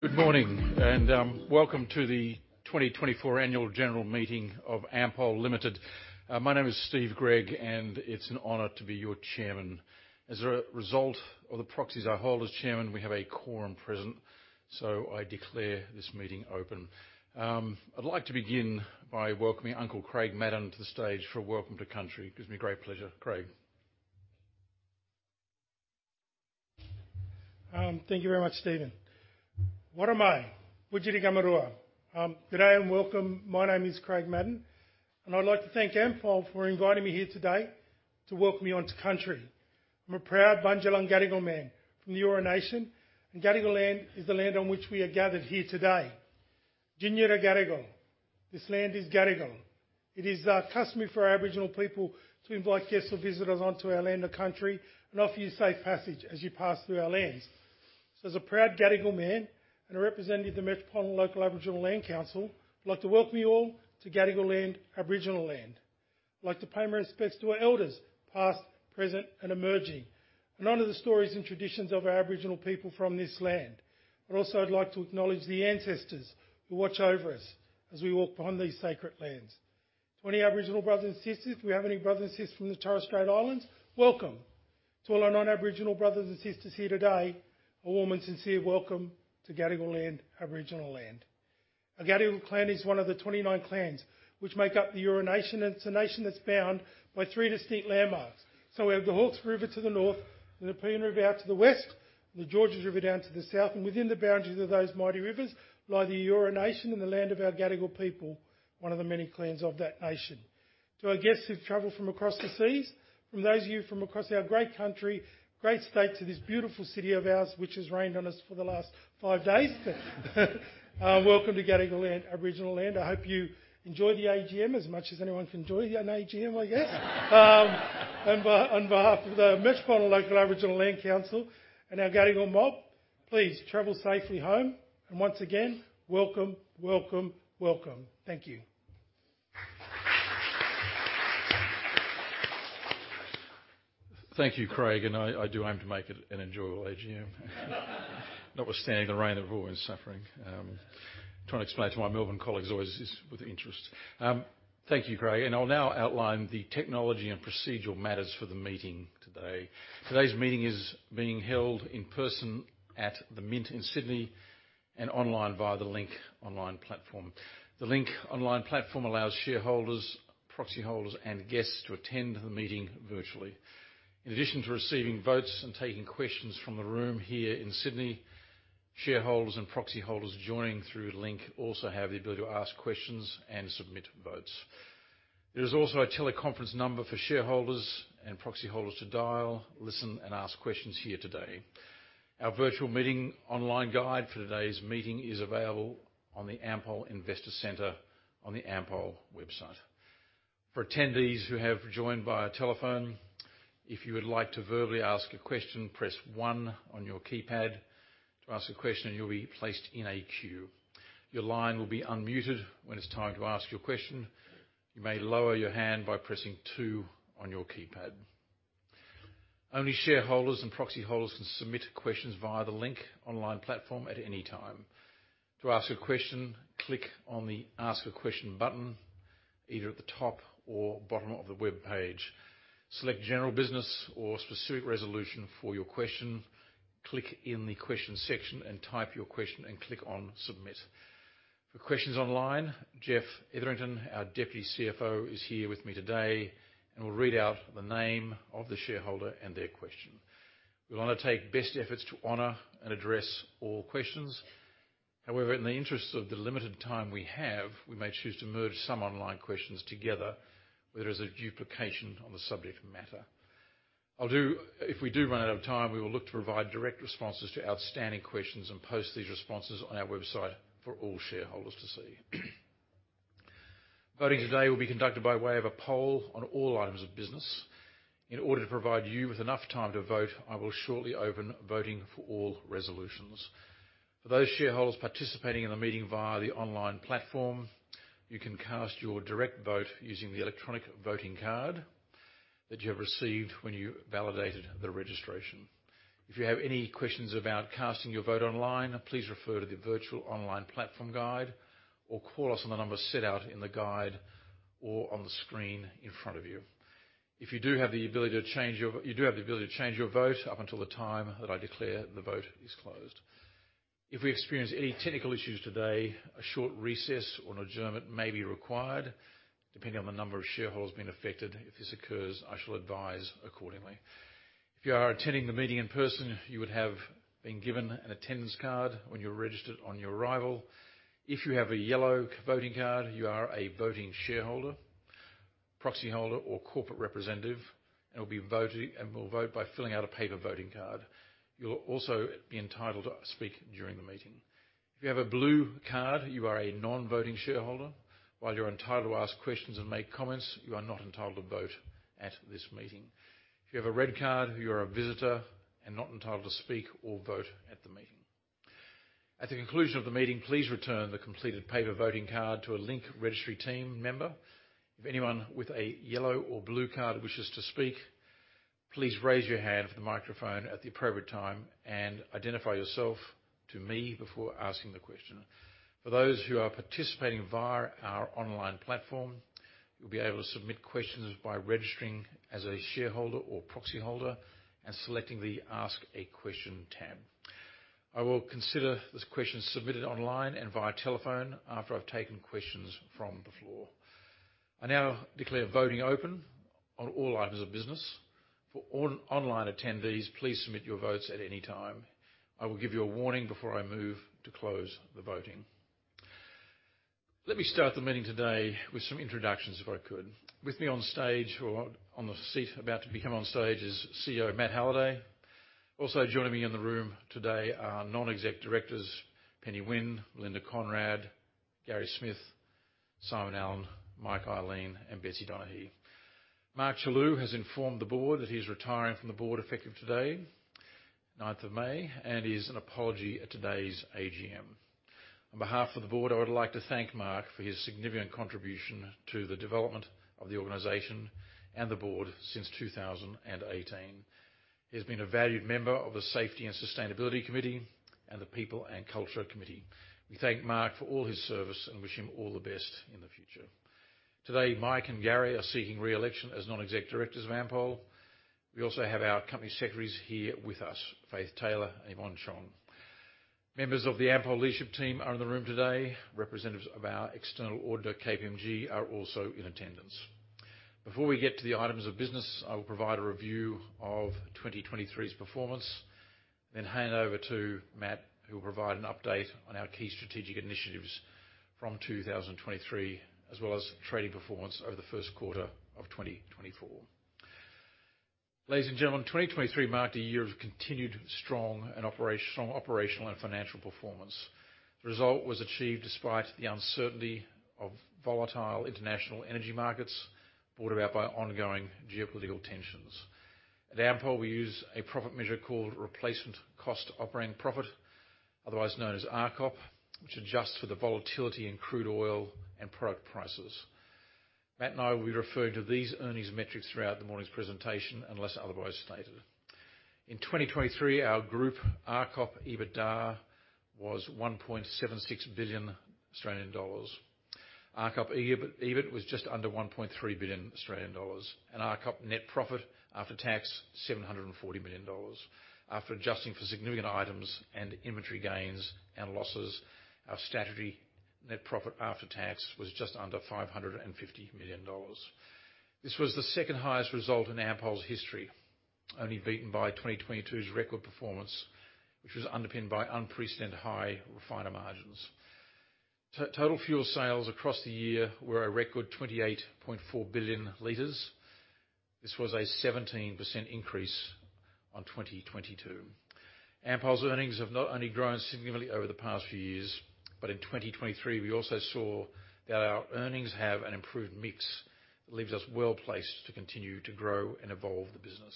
Good morning, and welcome to the 2024 Annual General Meeting of Ampol Limited. My name is Steven Gregg, and it's an honor to be your chairman. As a result of the proxies I hold as chairman, we have a quorum present, so I declare this meeting open. I'd like to begin by welcoming Uncle Craig Madden to the stage for a welcome to country. It gives me great pleasure. Craig. Thank you very much, Steven. What am I? Today I am welcome. My name is Craig Madden, and I'd like to thank Ampol for inviting me here today to welcome me onto country. I'm a proud man from the Eora Nation, and Gadigal land is the land on which we are gathered here today. Jingeri Gadigal. This land is Gadigal. It is customary for our Aboriginal people to invite guests or visitors onto our land of country and offer you safe passage as you pass through our lands. So as a proud Gadigal man and a representative of the Metropolitan Local Aboriginal Land Council, I'd like to welcome you all to Gadigal land, Aboriginal land. I'd like to pay my respects to our elders, past, present, and emerging, in honor of the stories and traditions of our Aboriginal people from this land. But also, I'd like to acknowledge the ancestors who watch over us as we walk behind these sacred lands. 20 Aboriginal brothers and sisters. If we have any brothers and sisters from the Torres Strait Islands, welcome. To all our non-Aboriginal brothers and sisters here today, a warm and sincere welcome to Gadigal land, Aboriginal land. Our Gadigal clan is one of the 29 clans which make up the Eora Nation, and it's a nation that's bound by three distinct landmarks. So we have the Hawkesbury River to the north, the Nepean River out to the west, and the Georges River down to the south. And within the boundaries of those mighty rivers lie the Eora Nation and the land of our Gadigal people, one of the many clans of that nation. To our guests who've travelled from across the seas, from those of you from across our great country, great state, to this beautiful city of ours which has rained on us for the last five days, welcome to Gadigal land, Aboriginal land. I hope you enjoy the AGM as much as anyone can enjoy an AGM, I guess. And I, on behalf of the Metropolitan Local Aboriginal Land Council and our Gadigal mob, please travel safely home, and once again, welcome, welcome, welcome. Thank you. Thank you, Craig, and I, I do aim to make it an enjoyable AGM, notwithstanding the rain that we've all been suffering. Trying to explain it to my Melbourne colleagues always is with interest. Thank you, Craig, and I'll now outline the technology and procedural matters for the meeting today. Today's meeting is being held in person at The Mint in Sydney and online via the Link online platform. The Link online platform allows shareholders, proxy holders, and guests to attend the meeting virtually. In addition to receiving votes and taking questions from the room here in Sydney, shareholders and proxy holders joining through the Link also have the ability to ask questions and submit votes. There is also a teleconference number for shareholders and proxy holders to dial, listen, and ask questions here today. Our virtual meeting online guide for today's meeting is available on the Ampol Investor Center on the Ampol website. For attendees who have joined via telephone, if you would like to verbally ask a question, press one on your keypad to ask a question, and you'll be placed in a queu. Your line will be unmuted when it's time to ask your question. You may lower your hand by pressing two on your keypad. Only shareholders and proxy holders can submit questions via the Link online platform at any time. To ask a question, click on the Ask a Question button, either at the top or bottom of the web page. Select General Business or Specific Resolution for your question. Click in the Question section and type your question and click on Submit. For questions online, Jeff Etherington, our Deputy CFO, is here with me today, and we'll read out the name of the shareholder and their question. We'll undertake best efforts to honor and address all questions. However, in the interests of the limited time we have, we may choose to merge some online questions together where there is a duplication on the subject matter. I'll do. If we do run out of time, we will look to provide direct responses to outstanding questions and post these responses on our website for all shareholders to see. Voting today will be conducted by way of a poll on all items of business. In order to provide you with enough time to vote, I will shortly open voting for all resolutions. For those shareholders participating in the meeting via the online platform, you can cast your direct vote using the electronic voting card that you have received when you validated the registration. If you have any questions about casting your vote online, please refer to the virtual online platform guide or call us on the number set out in the guide or on the screen in front of you. If you do have the ability to change your vote up until the time that I declare the vote is closed. If we experience any technical issues today, a short recess or an adjournment may be required, depending on the number of shareholders being affected. If this occurs, I shall advise accordingly. If you are attending the meeting in person, you would have been given an attendance card when you were registered on your arrival. If you have a yellow voting card, you are a voting shareholder, proxy holder, or corporate representative, and will be voting and will vote by filling out a paper voting card. You'll also be entitled to speak during the meeting. If you have a blue card, you are a non-voting shareholder. While you're entitled to ask questions and make comments, you are not entitled to vote at this meeting. If you have a red card, you are a visitor and not entitled to speak or vote at the meeting. At the conclusion of the meeting, please return the completed paper voting card to a Link registry team member. If anyone with a yellow or blue card wishes to speak, please raise your hand for the microphone at the appropriate time and identify yourself to me before asking the question. For those who are participating via our online platform, you'll be able to submit questions by registering as a shareholder or proxy holder and selecting the Ask a Question tab. I will consider this question submitted online and via telephone after I've taken questions from the floor. I now declare voting open on all items of business. For online attendees, please submit your votes at any time. I will give you a warning before I move to close the voting. Let me start the meeting today with some introductions if I could. With me on stage or on the seat about to become on stage is CEO Matt Halliday. Also joining me in the room today are non-exec directors Penny Winn, Melinda Conrad, Gary Smith, Simon Allen, Michael Ihlein, and Elizabeth Donaghey. Mark Chellew has informed the board that he's retiring from the board effective today, 9th of May, and is an apology at today's AGM. On behalf of the board, I would like to thank Mark for his significant contribution to the development of the organization and the board since 2018. He has been a valued member of the Safety and Sustainability Committee and the People and Culture Committee. We thank Mark for all his service and wish him all the best in the future. Today, Mike and Gary are seeking re-election as non-exec directors of Ampol. We also have our company secretaries here with us, Faith Taylor and Yvonne Chong. Members of the Ampol leadership team are in the room today. Representatives of our external auditor, KPMG, are also in attendance. Before we get to the items of business, I will provide a review of 2023's performance and then hand over to Matt, who will provide an update on our key strategic initiatives from 2023 as well as trading performance over the first quarter of 2024. Ladies and gentlemen, 2023 marked a year of continued strong and operational and financial performance. The result was achieved despite the uncertainty of volatile international energy markets brought about by ongoing geopolitical tensions. At Ampol, we use a profit measure called Replacement Cost Operating Profit, otherwise known as RCOP, which adjusts for the volatility in crude oil and product prices. Matt and I will be referring to these earnings metrics throughout the morning's presentation unless otherwise stated. In 2023, our group RCOP EBITDA was 1.76 billion Australian dollars. RCOP EBIT was just under 1.3 billion Australian dollars, and RCOP net profit after tax was 740 million dollars. After adjusting for significant items and inventory gains and losses, our strategy net profit after tax was just under 550 million dollars. This was the second highest result in Ampol's history, only beaten by 2022's record performance, which was underpinned by unprecedented high refiner margins. Total fuel sales across the year were a record 28.4 billion liters. This was a 17% increase on 2022. Ampol's earnings have not only grown significantly over the past few years, but in 2023, we also saw that our earnings have an improved mix that leaves us well placed to continue to grow and evolve the business.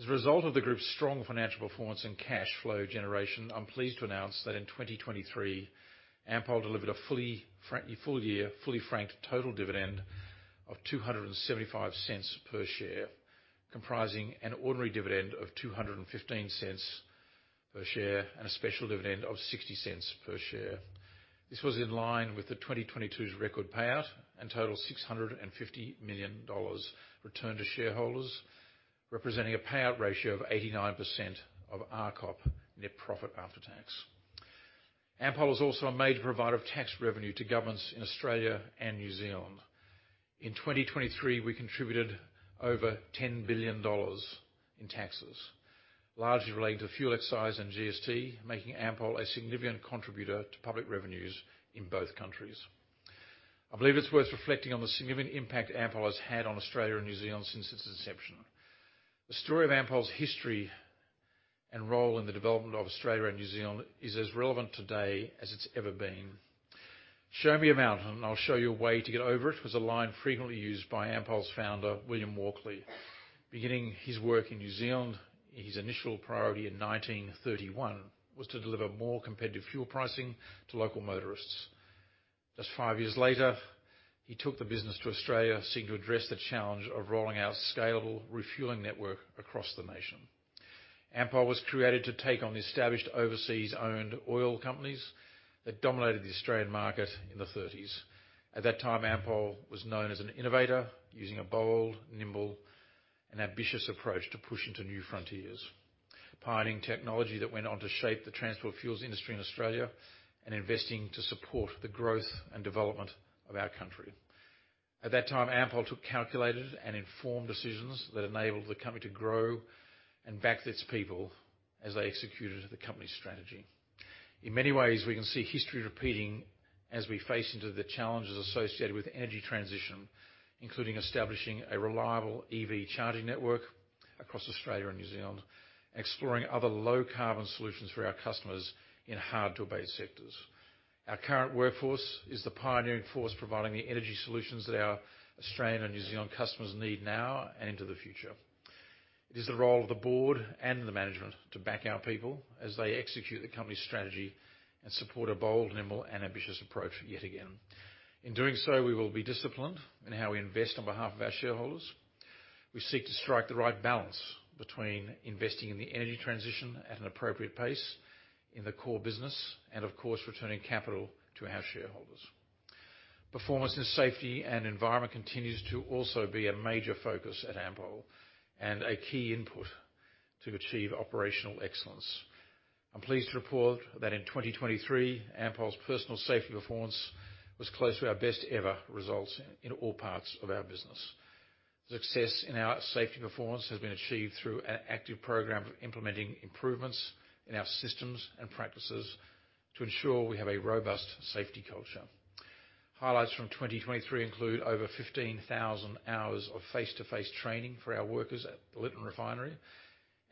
As a result of the group's strong financial performance and cash flow generation, I'm pleased to announce that in 2023, Ampol delivered a full-year fully franked total dividend of 2.75 per share, comprising an ordinary dividend of 2.15 per share and a special dividend of 0.60 per share. This was in line with the 2022's record payout and totaled 650 million dollars returned to shareholders, representing a payout ratio of 89% of RCOP net profit after tax. Ampol is also a major provider of tax revenue to governments in Australia and New Zealand. In 2023, we contributed over 10 billion dollars in taxes, largely relating to fuel excise and GST, making Ampol a significant contributor to public revenues in both countries. I believe it's worth reflecting on the significant impact Ampol has had on Australia and New Zealand since its inception. The story of Ampol's history and role in the development of Australia and New Zealand is as relevant today as it's ever been. "Show me a mountain, and I'll show you a way to get over it," was a line frequently used by Ampol's founder, Sir William Walkley. Beginning his work in New Zealand, his initial priority in 1931 was to deliver more competitive fuel pricing to local motorists. Just five years later, he took the business to Australia seeking to address the challenge of rolling out scalable refuelling networks across the nation. Ampol was created to take on the established overseas-owned oil companies that dominated the Australian market in the '30s. At that time, Ampol was known as an innovator using a bold, nimble, and ambitious approach to push into new frontiers, pioneering technology that went on to shape the transport fuels industry in Australia and investing to support the growth and development of our country. At that time, Ampol took calculated and informed decisions that enabled the company to grow and back its people as they executed the company's strategy. In many ways, we can see history repeating as we face into the challenges associated with energy transition, including establishing a reliable EV charging network across Australia and New Zealand and exploring other low-carbon solutions for our customers in hard-to-abate sectors. Our current workforce is the pioneering force providing the energy solutions that our Australian and New Zealand customers need now and into the future. It is the role of the board and the management to back our people as they execute the company's strategy and support a bold, nimble, and ambitious approach yet again. In doing so, we will be disciplined in how we invest on behalf of our shareholders. We seek to strike the right balance between investing in the energy transition at an appropriate pace in the core business and, of course, returning capital to our shareholders. Performance in safety and environment continues to also be a major focus at Ampol and a key input to achieve operational excellence. I'm pleased to report that in 2023, Ampol's personal safety performance was close to our best-ever results in all parts of our business. Success in our safety performance has been achieved through an active program of implementing improvements in our systems and practices to ensure we have a robust safety culture. Highlights from 2023 include over 15,000 hours of face-to-face training for our workers at the Lytton Refinery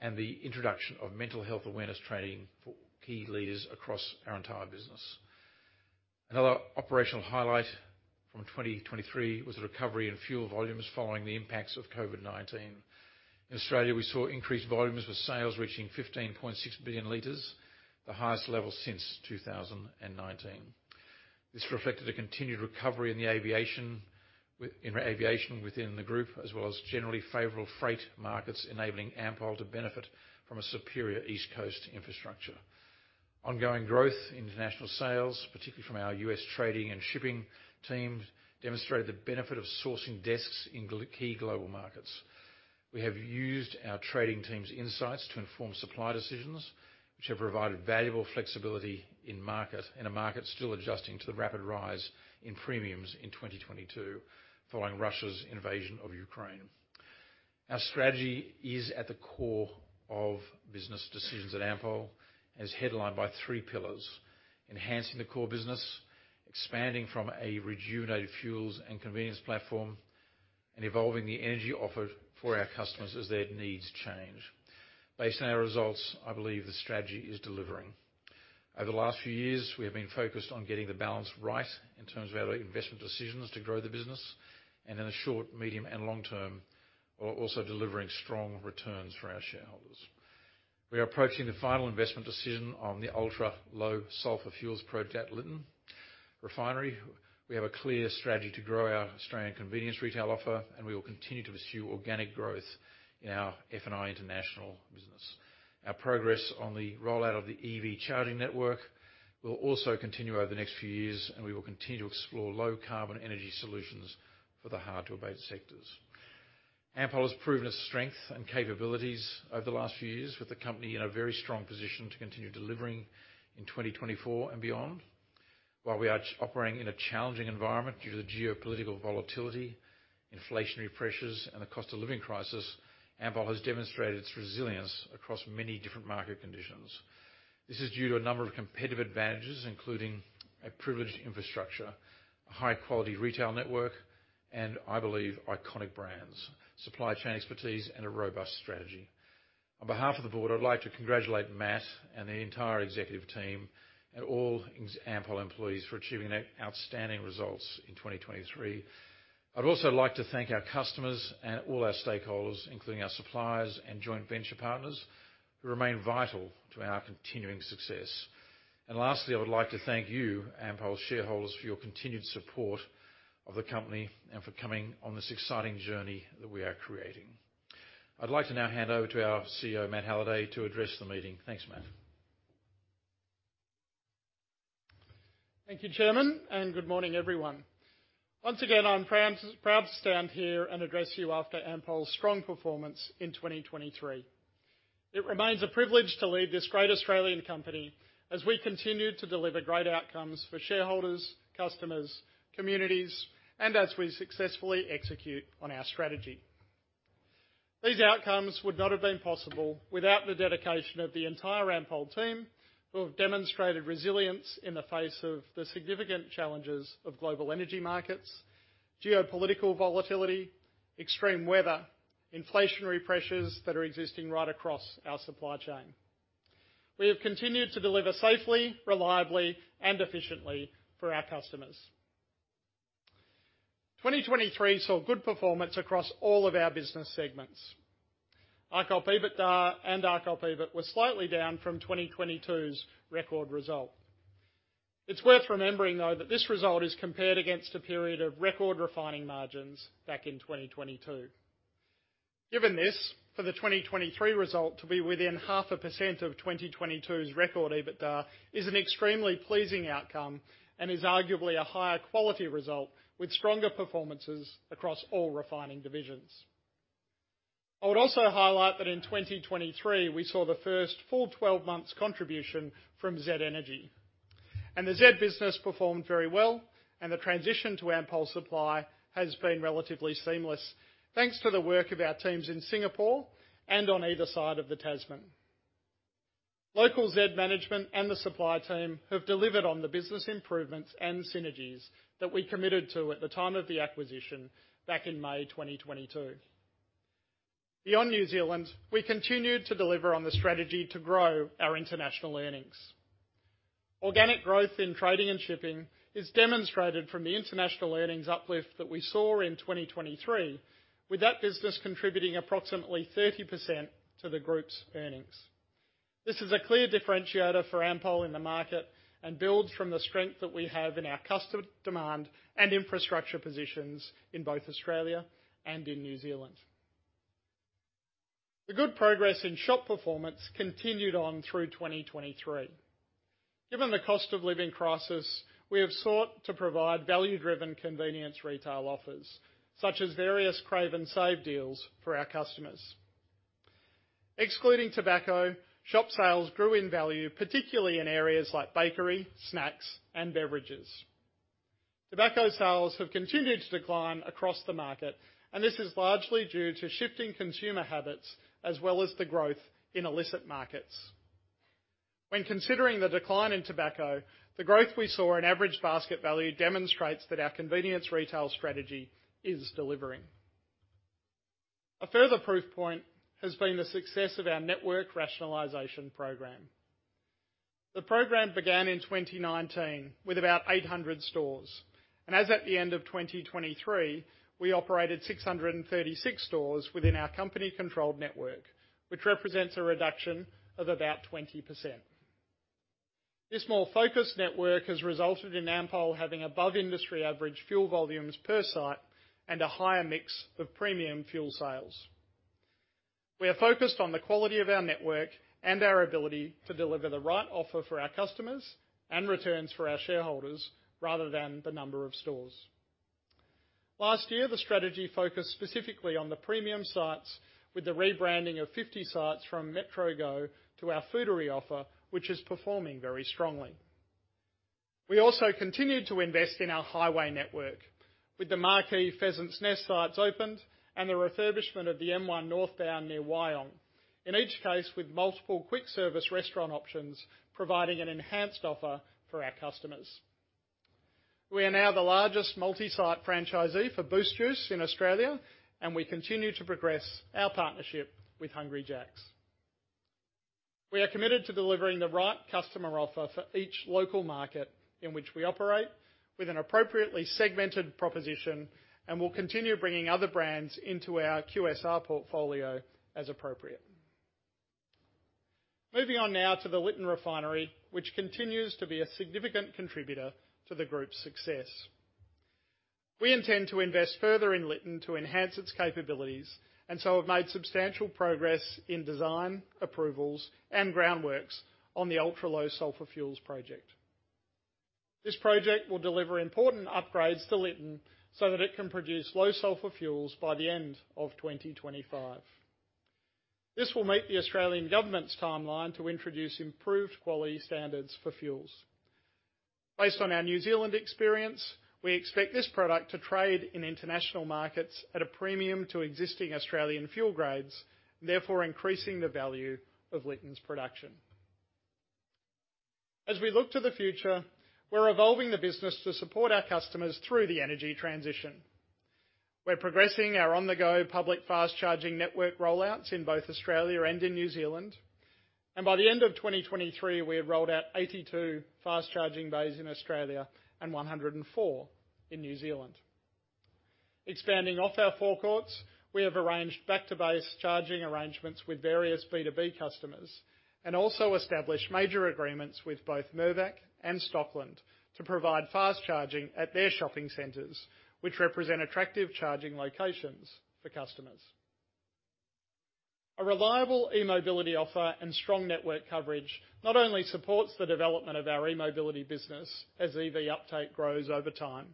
and the introduction of mental health awareness training for key leaders across our entire business. Another operational highlight from 2023 was the recovery in fuel volumes following the impacts of COVID-19. In Australia, we saw increased volumes with sales reaching 15.6 billion liters, the highest level since 2019. This reflected a continued recovery in the aviation within the group as well as generally favorable freight markets enabling Ampol to benefit from a superior East Coast infrastructure. Ongoing growth in international sales, particularly from our U.S. trading and shipping teams, demonstrated the benefit of sourcing desks in key global markets. We have used our trading team's insights to inform supply decisions, which have provided valuable flexibility in a market still adjusting to the rapid rise in premiums in 2022 following Russia's invasion of Ukraine. Our strategy is at the core of business decisions at Ampol and is headlined by three pillars: enhancing the core business, expanding from a rejuvenated fuels and convenience platform, and evolving the energy offered for our customers as their needs change. Based on our results, I believe the strategy is delivering. Over the last few years, we have been focused on getting the balance right in terms of our investment decisions to grow the business and, in the short, medium, and long term, we're also delivering strong returns for our shareholders. We are approaching the final investment decision on the ultra-low-sulfur fuels project at Lytton Refinery. We have a clear strategy to grow our Australian convenience retail offer, and we will continue to pursue organic growth in our F&I international business. Our progress on the rollout of the EV charging network will also continue over the next few years, and we will continue to explore low-carbon energy solutions for the hard-to-abate sectors. Ampol has proven its strength and capabilities over the last few years, with the company in a very strong position to continue delivering in 2024 and beyond. While we are operating in a challenging environment due to the geopolitical volatility, inflationary pressures, and the cost of living crisis, Ampol has demonstrated its resilience across many different market conditions. This is due to a number of competitive advantages, including a privileged infrastructure, a high-quality retail network, and, I believe, iconic brands, supply chain expertise, and a robust strategy. On behalf of the board, I'd like to congratulate Matt and the entire executive team and all Ampol employees for achieving outstanding results in 2023. I'd also like to thank our customers and all our stakeholders, including our suppliers and joint venture partners, who remain vital to our continuing success. Lastly, I would like to thank you, Ampol's shareholders, for your continued support of the company and for coming on this exciting journey that we are creating. I'd like to now hand over to our CEO, Matt Halliday, to address the meeting. Thanks, Matt. Thank you, Chairman, and good morning, everyone. Once again, I'm proud to stand here and address you after Ampol's strong performance in 2023. It remains a privilege to lead this great Australian company as we continue to deliver great outcomes for shareholders, customers, communities, and as we successfully execute on our strategy. These outcomes would not have been possible without the dedication of the entire Ampol team, who have demonstrated resilience in the face of the significant challenges of global energy markets, geopolitical volatility, extreme weather, inflationary pressures that are existing right across our supply chain. We have continued to deliver safely, reliably, and efficiently for our customers. 2023 saw good performance across all of our business segments. RCOP EBITDA and RCOP EBIT were slightly down from 2022's record result. It's worth remembering, though, that this result is compared against a period of record refining margins back in 2022. Given this, for the 2023 result to be within 0.5% of 2022's record EBITDA is an extremely pleasing outcome and is arguably a higher quality result with stronger performances across all refining divisions. I would also highlight that in 2023, we saw the first full 12-month contribution from Z Energy. The Z Energy business performed very well, and the transition to Ampol supply has been relatively seamless thanks to the work of our teams in Singapore and on either side of the Tasman. Local Z Energy management and the supply team have delivered on the business improvements and synergies that we committed to at the time of the acquisition back in May 2022. Beyond New Zealand, we continued to deliver on the strategy to grow our international earnings. Organic growth in trading and shipping is demonstrated from the international earnings uplift that we saw in 2023, with that business contributing approximately 30% to the group's earnings. This is a clear differentiator for Ampol in the market and builds from the strength that we have in our customer demand and infrastructure positions in both Australia and in New Zealand. The good progress in shop performance continued on through 2023. Given the cost of living crisis, we have sought to provide value-driven convenience retail offers such as various Crave 'N Save deals for our customers. Excluding tobacco, shop sales grew in value, particularly in areas like bakery, snacks, and beverages. Tobacco sales have continued to decline across the market, and this is largely due to shifting consumer habits as well as the growth in illicit markets. When considering the decline in tobacco, the growth we saw in average basket value demonstrates that our convenience retail strategy is delivering. A further proof point has been the success of our network rationalization program. The program began in 2019 with about 800 stores. As at the end of 2023, we operated 636 stores within our company-controlled network, which represents a reduction of about 20%. This more focused network has resulted in Ampol having above-industry average fuel volumes per site and a higher mix of premium fuel sales. We are focused on the quality of our network and our ability to deliver the right offer for our customers and returns for our shareholders rather than the number of stores. Last year, the strategy focused specifically on the premium sites with the rebranding of 50 sites from MetroGo to our Foodary offer, which is performing very strongly. We also continued to invest in our highway network with the marquee Pheasants Nest sites opened and the refurbishment of the M1 northbound near Wyong, in each case with multiple quick-service restaurant options providing an enhanced offer for our customers. We are now the largest multi-site franchisee for Boost Juice in Australia, and we continue to progress our partnership with Hungry Jack's. We are committed to delivering the right customer offer for each local market in which we operate with an appropriately segmented proposition and will continue bringing other brands into our QSR portfolio as appropriate. Moving on now to the Lytton Refinery, which continues to be a significant contributor to the group's success. We intend to invest further in Lytton to enhance its capabilities, and so have made substantial progress in design approvals and groundworks on the ultra-low-sulfur fuels project. This project will deliver important upgrades to Lytton so that it can produce low-sulfur fuels by the end of 2025. This will meet the Australian government's timeline to introduce improved quality standards for fuels. Based on our New Zealand experience, we expect this product to trade in international markets at a premium to existing Australian fuel grades, therefore increasing the value of Lytton's production. As we look to the future, we're evolving the business to support our customers through the energy transition. We're progressing our on-the-go public fast-charging network rollouts in both Australia and in New Zealand. By the end of 2023, we had rolled out 82 fast-charging bays in Australia and 104 in New Zealand. Expanding off our forecourts, we have arranged back-to-base charging arrangements with various B2B customers and also established major agreements with both Mirvac and Stockland to provide fast-charging at their shopping centers, which represent attractive charging locations for customers. A reliable e-mobility offer and strong network coverage not only supports the development of our e-mobility business as EV uptake grows over time,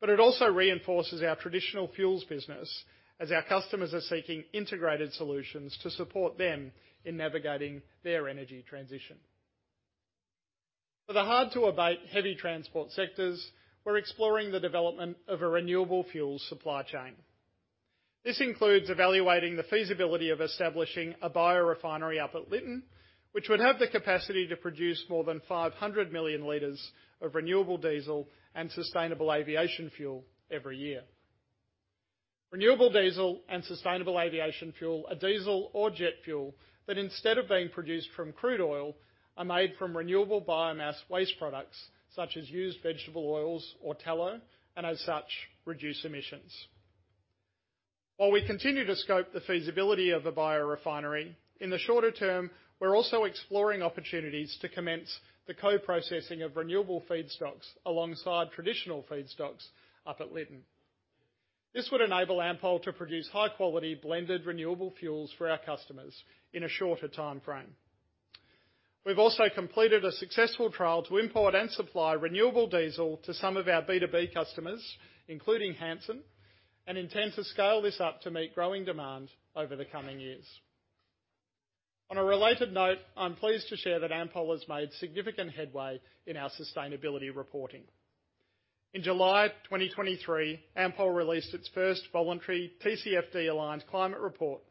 but it also reinforces our traditional fuels business as our customers are seeking integrated solutions to support them in navigating their energy transition. For the hard-to-abate heavy transport sectors, we're exploring the development of a renewable fuels supply chain. This includes evaluating the feasibility of establishing a biorefinery up at Lytton, which would have the capacity to produce more than 500 million liters of renewable diesel and sustainable aviation fuel every year. Renewable diesel and sustainable aviation fuel are diesel or jet fuel that, instead of being produced from crude oil, are made from renewable biomass waste products such as used vegetable oils or tallow and, as such, reduce emissions. While we continue to scope the feasibility of a biorefinery, in the shorter term, we're also exploring opportunities to commence the co-processing of renewable feedstocks alongside traditional feedstocks up at Lytton. This would enable Ampol to produce high-quality blended renewable fuels for our customers in a shorter timeframe. We've also completed a successful trial to import and supply renewable diesel to some of our B2B customers, including Hanson, and intend to scale this up to meet growing demand over the coming years. On a related note, I'm pleased to share that Ampol has made significant headway in our sustainability reporting. In July 2023, Ampol released its first voluntary TCFD-aligned climate report.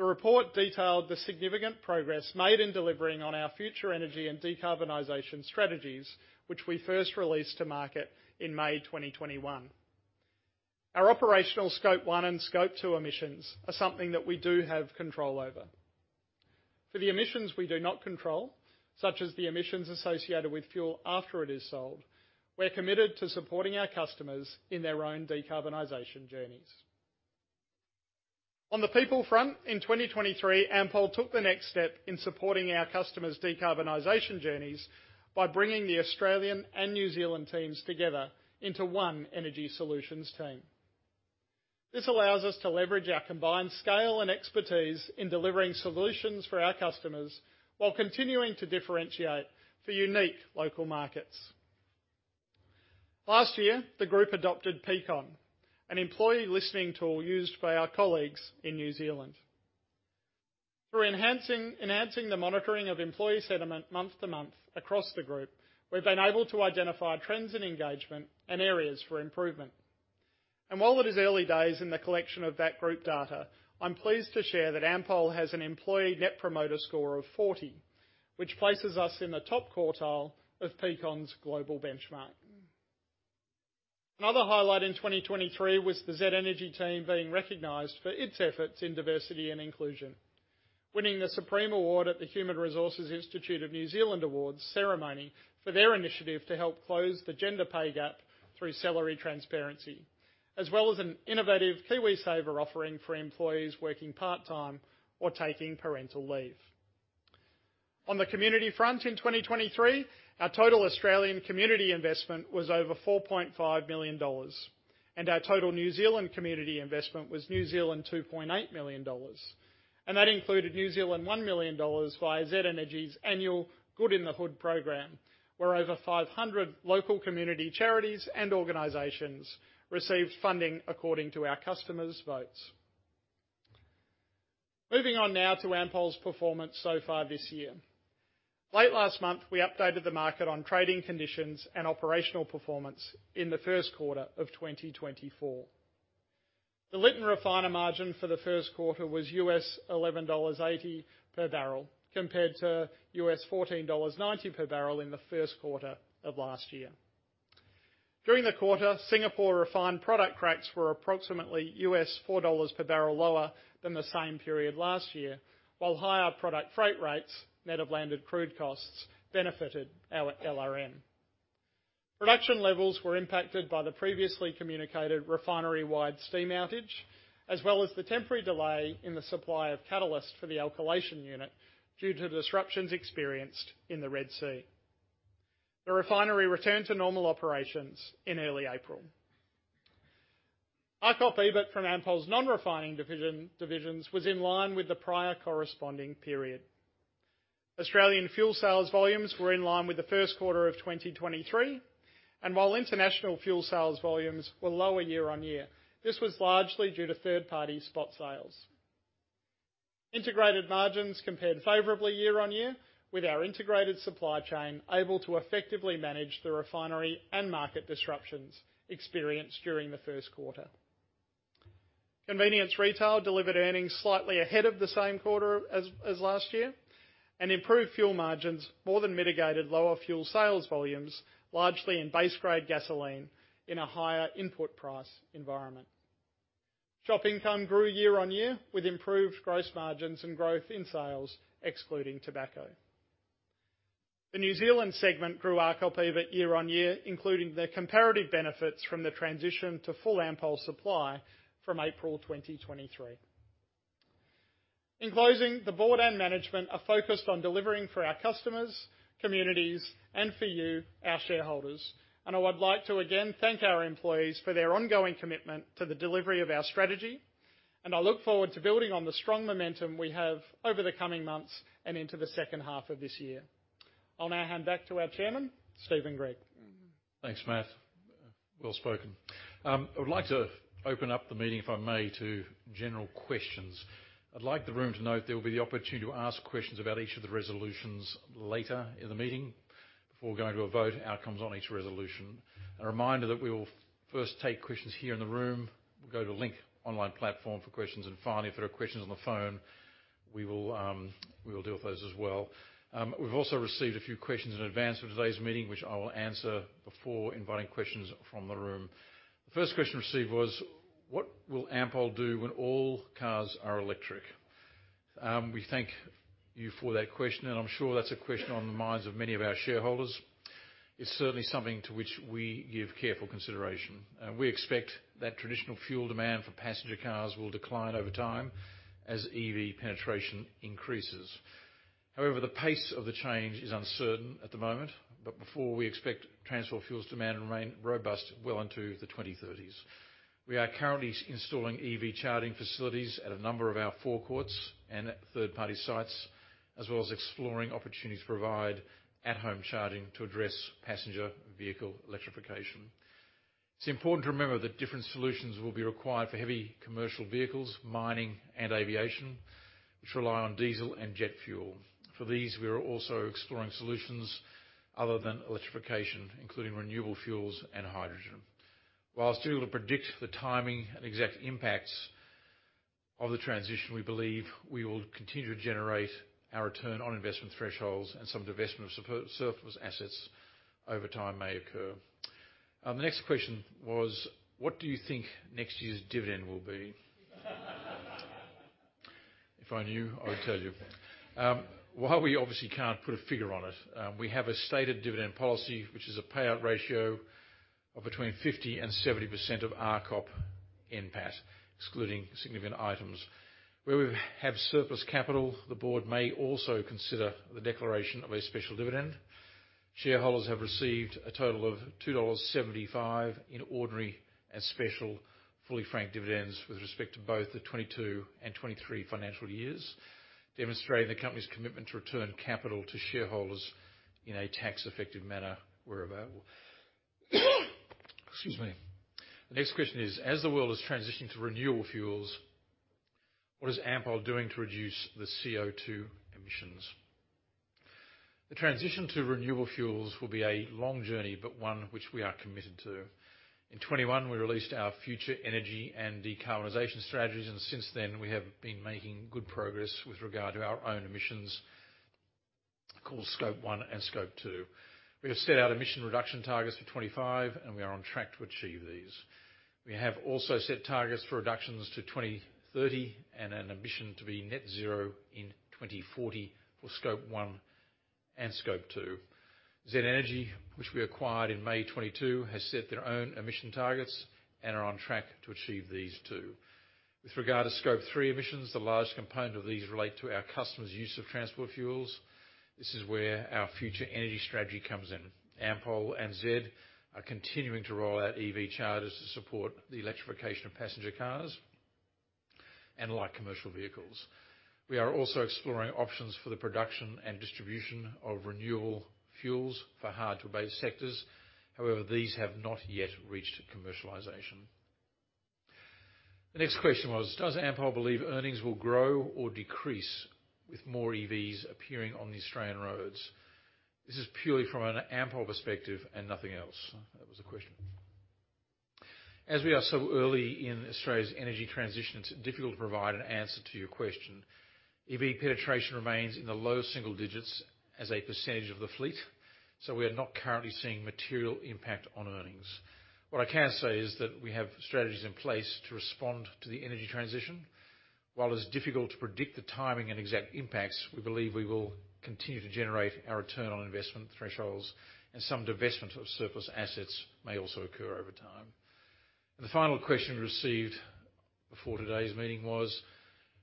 The report detailed the significant progress made in delivering on our future energy and decarbonization strategies, which we first released to market in May 2021. Our operational Scope 1 and Scope 2 emissions are something that we do have control over. For the emissions we do not control, such as the emissions associated with fuel after it is sold, we're committed to supporting our customers in their own decarbonization journeys. On the people front, in 2023, Ampol took the next step in supporting our customers' decarbonization journeys by bringing the Australian and New Zealand teams together into one energy solutions team. This allows us to leverage our combined scale and expertise in delivering solutions for our customers while continuing to differentiate for unique local markets. Last year, the group adopted Peakon, an employee listening tool used by our colleagues in New Zealand. Through enhancing the monitoring of employee sentiment month-to-month across the group, we've been able to identify trends in engagement and areas for improvement. And while it is early days in the collection of that group data, I'm pleased to share that Ampol has an employee net promoter score of 40, which places us in the top quartile of Peakon's global benchmark. Another highlight in 2023 was the Z Energy team being recognized for its efforts in diversity and inclusion, winning the Supreme Award at the Human Resources Institute of New Zealand Awards ceremony for their initiative to help close the gender pay gap through salary transparency, as well as an innovative KiwiSaver offering for employees working part-time or taking parental leave. On the community front, in 2023, our total Australian community investment was over AUD 4.5 million, and our total New Zealand community investment was 2.8 million New Zealand dollars. That included 1 million New Zealand dollars via Z Energy's annual Good in the Hood program, where over 500 local community charities and organizations received funding according to our customers' votes. Moving on now to Ampol's performance so far this year. Late last month, we updated the market on trading conditions and operational performance in the first quarter of 2024. The Lytton Refiner Margin for the first quarter was $11.80 per barrel compared to $14.90 per barrel in the first quarter of last year. During the quarter, Singapore refined product cracks were approximately $4 per barrel lower than the same period last year, while higher product freight rates net of landed crude costs benefited our LRM. Production levels were impacted by the previously communicated refinery-wide steam outage as well as the temporary delay in the supply of catalyst for the alkylation unit due to disruptions experienced in the Red Sea. The refinery returned to normal operations in early April. RCOP EBIT from Ampol's non-refining divisions was in line with the prior corresponding period. Australian fuel sales volumes were in line with the first quarter of 2023. While international fuel sales volumes were lower year-over-year, this was largely due to third-party spot sales. Integrated margins compared favorably year-over-year with our integrated supply chain able to effectively manage the refinery and market disruptions experienced during the first quarter. Convenience retail delivered earnings slightly ahead of the same quarter as last year, and improved fuel margins more than mitigated lower fuel sales volumes, largely in base-grade gasoline, in a higher input price environment. Shop income grew year-on-year with improved gross margins and growth in sales, excluding tobacco. The New Zealand segment grew RCOP EBIT year-on-year, including their comparative benefits from the transition to full Ampol supply from April 2023. In closing, the board and management are focused on delivering for our customers, communities, and for you, our shareholders. I would like to again thank our employees for their ongoing commitment to the delivery of our strategy. I look forward to building on the strong momentum we have over the coming months and into the second half of this year. I'll now hand back to our chairman, Steven Gregg. Thanks, Matt. Well spoken. I would like to open up the meeting, if I may, to general questions. I'd like the room to note there will be the opportunity to ask questions about each of the resolutions later in the meeting before going to a vote outcomes on each resolution. A reminder that we will first take questions here in the room. We'll go to a Link online platform for questions. Finally, if there are questions on the phone, we will deal with those as well. We've also received a few questions in advance of today's meeting, which I will answer before inviting questions from the room. The first question received was, "What will Ampol do when all cars are electric?" We thank you for that question. I'm sure that's a question on the minds of many of our shareholders. It's certainly something to which we give careful consideration. We expect that traditional fuel demand for passenger cars will decline over time as EV penetration increases. However, the pace of the change is uncertain at the moment. But overall, we expect transport fuel's demand to remain robust well into the 2030s. We are currently installing EV charging facilities at a number of our forecourts and third-party sites, as well as exploring opportunities to provide at-home charging to address passenger vehicle electrification. It's important to remember that different solutions will be required for heavy commercial vehicles, mining, and aviation, which rely on diesel and jet fuel. For these, we are also exploring solutions other than electrification, including renewable fuels and hydrogen. While it's difficult to predict the timing and exact impacts of the transition, we believe we will continue to generate our return on investment thresholds and some divestment of surplus assets over time may occur. The next question was, "What do you think next year's dividend will be?" If I knew, I would tell you. While we obviously can't put a figure on it, we have a stated dividend policy, which is a payout ratio of between 50%-70% of RCOP NPAT, excluding significant items. Where we have surplus capital, the board may also consider the declaration of a special dividend. Shareholders have received a total of 2.75 dollars in ordinary and special fully franked dividends with respect to both the 2022 and 2023 financial years, demonstrating the company's commitment to return capital to shareholders in a tax-effective manner wherever. Excuse me. The next question is, "As the world is transitioning to renewable fuels, what is Ampol doing to reduce the CO2 emissions?" The transition to renewable fuels will be a long journey, but one which we are committed to. In 2021, we released our future energy and decarbonization strategies. Since then, we have been making good progress with regard to our own emissions called Scope 1 and Scope 2. We have set out emission reduction targets for 2025, and we are on track to achieve these. We have also set targets for reductions to 2030 and an ambition to be net zero in 2040 for Scope 1 and Scope 2. Z Energy, which we acquired in May 2022, has set their own emission targets and are on track to achieve these too. With regard to Scope 3 Emissions, the largest component of these relate to our customers' use of transport fuels. This is where our future energy strategy comes in. Ampol and Z Energy are continuing to roll out EV chargers to support the electrification of passenger cars and light commercial vehicles. We are also exploring options for the production and distribution of renewable fuels for hard-to-abate sectors. However, these have not yet reached commercialization. The next question was, "Does Ampol believe earnings will grow or decrease with more EVs appearing on the Australian roads?" This is purely from an Ampol perspective and nothing else. That was the question. As we are so early in Australia's energy transition, it's difficult to provide an answer to your question. EV penetration remains in the low single digits as a percentage of the fleet. So we are not currently seeing material impact on earnings. What I can say is that we have strategies in place to respond to the energy transition. While it's difficult to predict the timing and exact impacts, we believe we will continue to generate our return on investment thresholds. Some divestment of surplus assets may also occur over time. The final question we received before today's meeting was,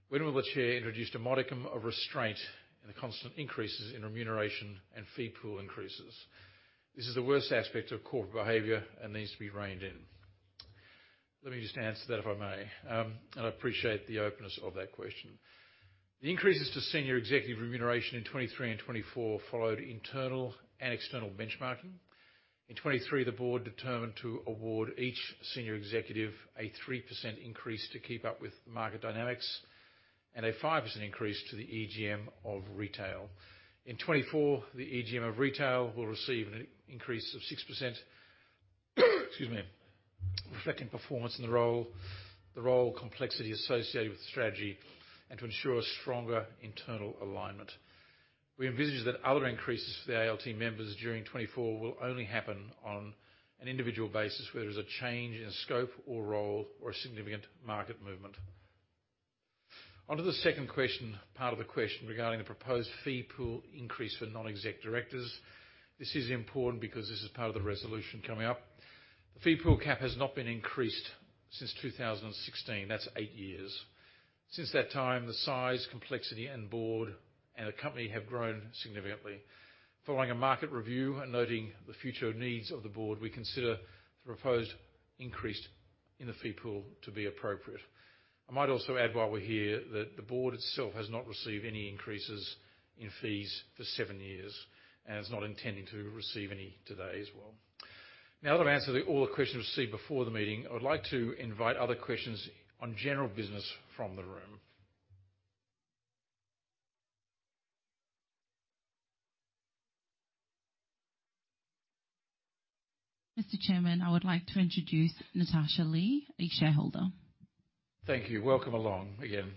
"When will the chair introduce a modicum of restraint in the constant increases in remuneration and fee pool increases?" This is the worst aspect of corporate behavior and needs to be reined in. Let me just answer that, if I may. I appreciate the openness of that question. The increases to senior executive remuneration in 2023 and 2024 followed internal and external benchmarking. In 2023, the board determined to award each senior executive a 3% increase to keep up with market dynamics and a 5% increase to the EGM of Retail. In 2024, the EGM of Retail will receive an increase of 6% reflecting performance in the role, the role complexity associated with the strategy, and to ensure a stronger internal alignment. We envisage that other increases for the ALT members during 2024 will only happen on an individual basis where there is a change in scope or role or a significant market movement. Onto the second part of the question regarding the proposed fee pool increase for non-exec directors. This is important because this is part of the resolution coming up. The fee pool cap has not been increased since 2016. That's eight years. Since that time, the size, complexity, and board and the company have grown significantly. Following a market review and noting the future needs of the board, we consider the proposed increase in the fee pool to be appropriate. I might also add, while we're here, that the board itself has not received any increases in fees for seven years. It's not intending to receive any today as well. Now that I've answered all the questions received before the meeting, I would like to invite other questions on general business from the room. Mr. Chairman, I would like to introduce Natasha Lee, a shareholder. Thank you. Welcome along again.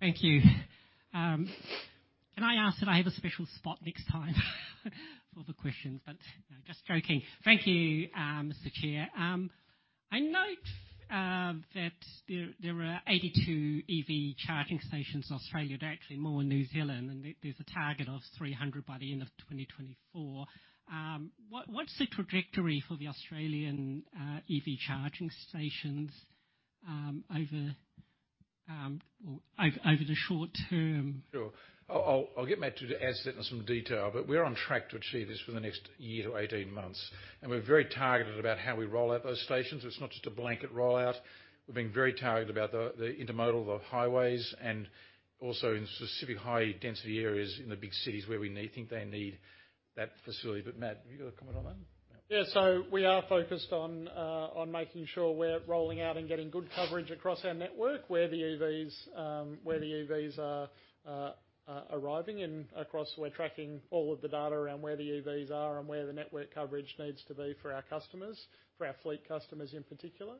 Thank you. I asked that I have a special spot next time for the questions. Just joking. Thank you, Mr. Chair. I note that there are 82 EV charging stations in Australia. They're actually more in New Zealand. There's a target of 300 by the end of 2024. What's the trajectory for the Australian EV charging stations over the short term? Sure. I'll get Matt to add certainly some detail. We're on track to achieve this for the next year to 18 months. We're very targeted about how we roll out those stations. It's not just a blanket rollout. We're being very targeted about the intermodal, the highways, and also in specific high-density areas in the big cities where we think they need that facility. Matt, do you have a comment on that? Yeah. So we are focused on making sure we're rolling out and getting good coverage across our network, where the EVs are arriving and across where we're tracking all of the data around where the EVs are and where the network coverage needs to be for our customers, for our fleet customers in particular.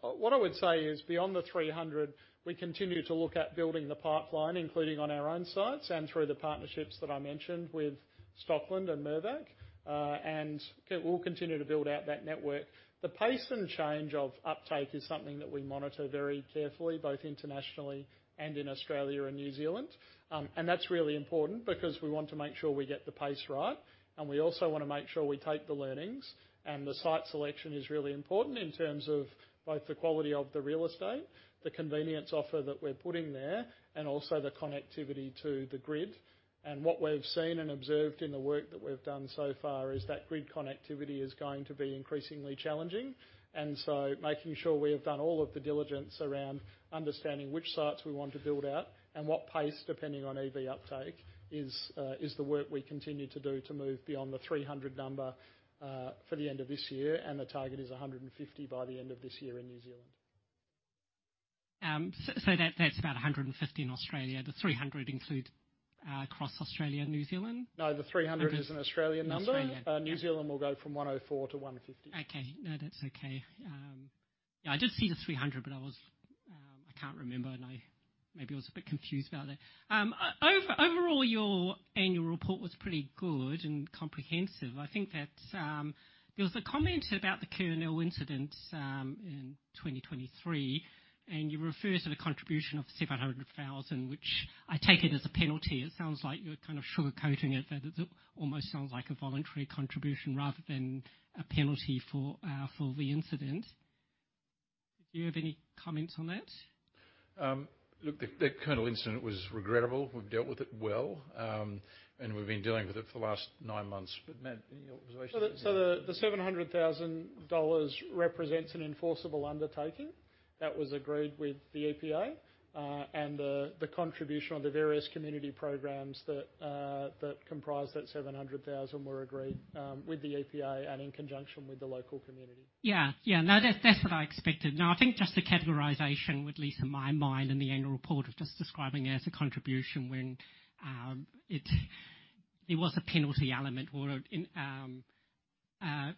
What I would say is, beyond the 300, we continue to look at building the pipeline, including on our own sites and through the partnerships that I mentioned with Stockland and Mirvac. And we'll continue to build out that network. The pace and change of uptake is something that we monitor very carefully, both internationally and in Australia and New Zealand. And that's really important because we want to make sure we get the pace right. And we also want to make sure we take the learnings. The site selection is really important in terms of both the quality of the real estate, the convenience offer that we're putting there, and also the connectivity to the grid. What we've seen and observed in the work that we've done so far is that grid connectivity is going to be increasingly challenging. So making sure we have done all of the diligence around understanding which sites we want to build out and what pace, depending on EV uptake, is the work we continue to do to move beyond the 300 number for the end of this year. The target is 150 by the end of this year in New Zealand. So that's about 150 in Australia. Does 300 include across Australia and New Zealand? No. The 300 is an Australian number. New Zealand will go from 104 to 150. Okay. No, that's okay. Yeah. I did see the 300, but I can't remember. And maybe I was a bit confused about it. Overall, your annual report was pretty good and comprehensive. I think that there was a comment about the Kurnell incident in 2023. And you refer to the contribution of 700,000, which I take it as a penalty. It sounds like you're kind of sugarcoating it. That it almost sounds like a voluntary contribution rather than a penalty for the incident. Did you have any comments on that? Look, the Kurnell incident was regrettable. We've dealt with it well. We've been dealing with it for the last nine months. Matt, any observations? So the 700,000 dollars represents an enforceable undertaking that was agreed with the EPA. And the contribution of the various community programs that comprise that 700,000 were agreed with the EPA and in conjunction with the local community. Yeah. Yeah. No, that's what I expected. No, I think just the categorization, at least in my mind and the annual report, of just describing it as a contribution when there was a penalty element.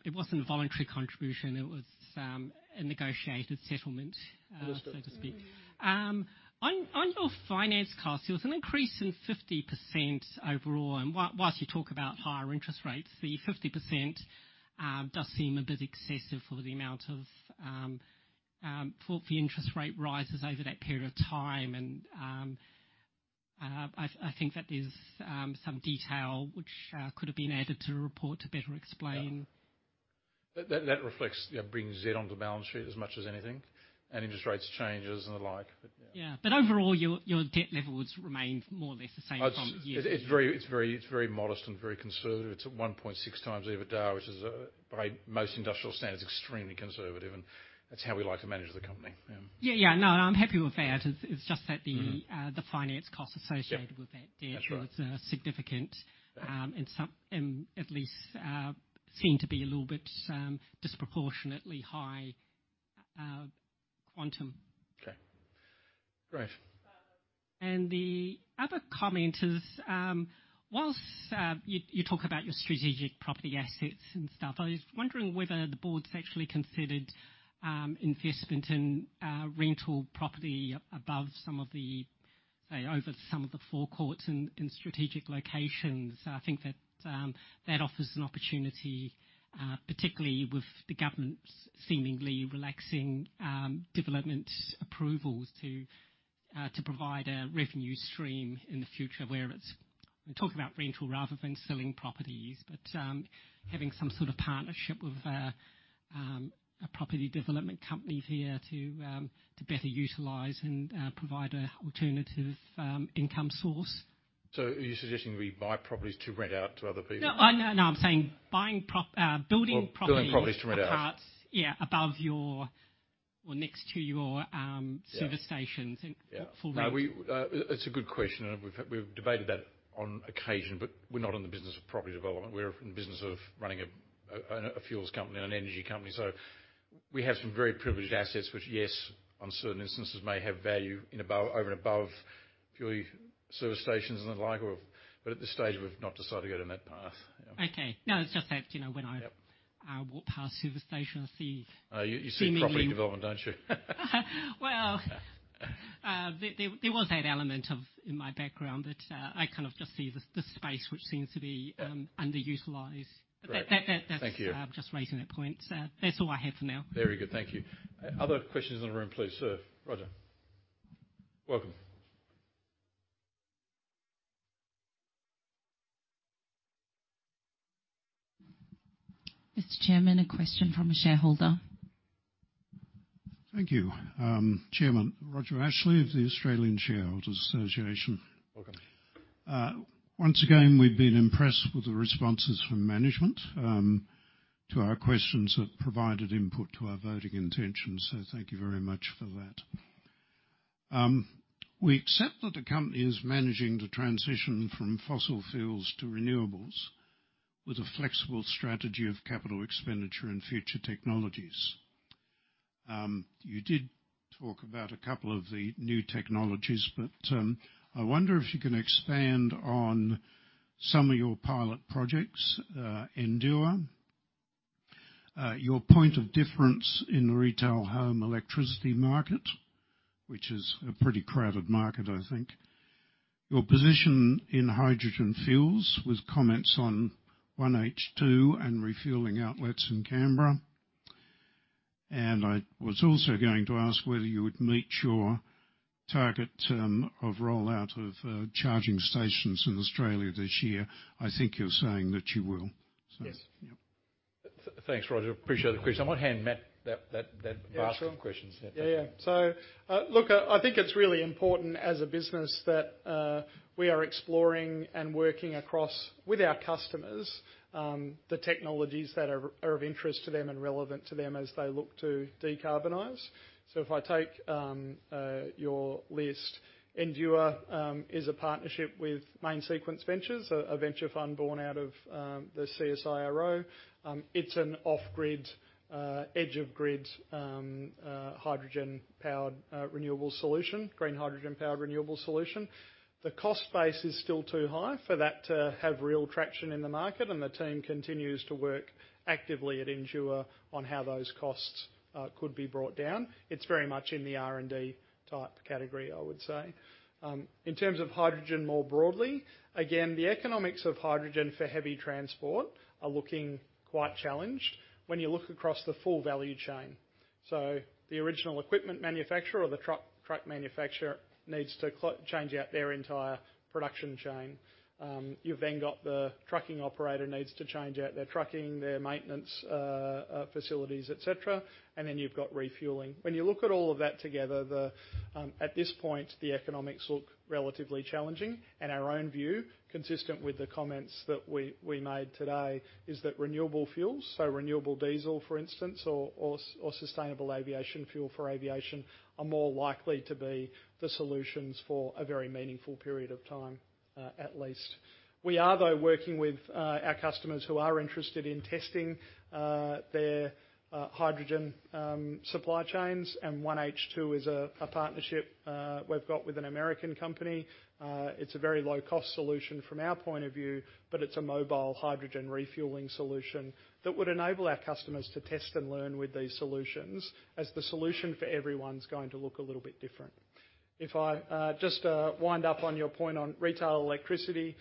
It wasn't a voluntary contribution. It was a negotiated settlement, so to speak. On your finance costs, there was an increase in 50% overall. And while you talk about higher interest rates, the 50% does seem a bit excessive for the amount of for the interest rate rises over that period of time. And I think that there's some detail which could have been added to the report to better explain. That brings Z Energy onto the balance sheet as much as anything. Interest rates changes and the like. But yeah. Yeah. But overall, your debt levels remain more or less the same from years to years. It's very modest and very conservative. It's at 1.6x EBITDA, which is, by most industrial standards, extremely conservative. And that's how we like to manage the company. Yeah. Yeah. Yeah. No, I'm happy with that. It's just that the finance costs associated with that debt was significant and at least seemed to be a little bit disproportionately high quantum. Okay. Great. The other comment is, whilst you talk about your strategic property assets and stuff, I was wondering whether the board's actually considered investment in rental property above some of the, say, over some of the forecourts in strategic locations. I think that that offers an opportunity, particularly with the government's seemingly relaxing development approvals to provide a revenue stream in the future where it's, we're talking about rental rather than selling properties. But having some sort of partnership with a property development company here to better utilise and provide an alternative income source. So are you suggesting we buy properties to rent out to other people? No. No, I'm saying building properties. Building properties to rent out. Above your or next to your service stations for rental. Yeah. No, it's a good question. We've debated that on occasion. We're not in the business of property development. We're in the business of running a fuels company and an energy company. We have some very privileged assets, which, yes, on certain instances, may have value over and above purely service stations and the like. At this stage, we've not decided to go down that path. Yeah. Okay. No, it's just that when I walk past service stations, I see property. You see property development, don't you? Well, there was that element in my background. But I kind of just see this space which seems to be underutilized. But that's just raising that point. So that's all I have for now. Very good. Thank you. Other questions in the room, please, sir? Roger. Welcome. Mr. Chairman, a question from a shareholder. Thank you. Chairman, Roger Ashley of the Australian Shareholders' Association. Welcome. Once again, we've been impressed with the responses from management to our questions that provided input to our voting intentions. So thank you very much for that. We accept that the company is managing to transition from fossil fuels to renewables with a flexible strategy of capital expenditure and future technologies. You did talk about a couple of the new technologies. But I wonder if you can expand on some of your pilot projects, Endua, your point of difference in the retail home electricity market, which is a pretty crowded market, I think, your position in hydrogen fuels with comments on OneH2 and refueling outlets in Canberra. And I was also going to ask whether you would meet your target term of rollout of charging stations in Australia this year. I think you're saying that you will. So yeah. Yes. Thanks, Roger. Appreciate the question. I might hand Matt that basket of questions. Yeah. Sure. Yeah. Yeah. So look, I think it's really important as a business that we are exploring and working across with our customers the technologies that are of interest to them and relevant to them as they look to decarbonise. So if I take your list, Endua is a partnership with Main Sequence Ventures, a venture fund born out of the CSIRO. It's an off-grid, edge-of-grid hydrogen-powered renewable solution, green hydrogen-powered renewable solution. The cost base is still too high for that to have real traction in the market. And the team continues to work actively at Endua on how those costs could be brought down. It's very much in the R&D type category, I would say. In terms of hydrogen more broadly, again, the economics of hydrogen for heavy transport are looking quite challenged when you look across the full value chain. So the original equipment manufacturer or the truck manufacturer needs to change out their entire production chain. You've then got the trucking operator needs to change out their trucking, their maintenance facilities, etc. And then you've got refuelling. When you look at all of that together, at this point, the economics look relatively challenging. And our own view, consistent with the comments that we made today, is that renewable fuels - so renewable diesel, for instance, or sustainable aviation fuel for aviation - are more likely to be the solutions for a very meaningful period of time, at least. We are, though, working with our customers who are interested in testing their hydrogen supply chains. And OneH2 is a partnership we've got with an American company. It's a very low-cost solution from our point of view. But it's a mobile hydrogen refueling solution that would enable our customers to test and learn with these solutions as the solution for everyone's going to look a little bit different. Just to wind up on your point on retail electricity,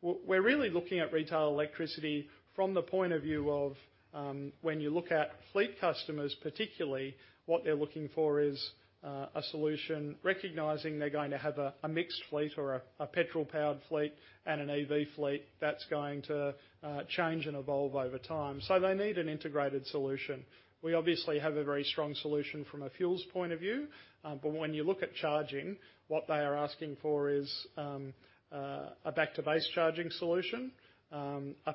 we're really looking at retail electricity from the point of view of when you look at fleet customers, particularly, what they're looking for is a solution recognizing they're going to have a mixed fleet or a petrol-powered fleet and an EV fleet that's going to change and evolve over time. So they need an integrated solution. We obviously have a very strong solution from a fuels point of view. But when you look at charging, what they are asking for is a back-to-base charging solution,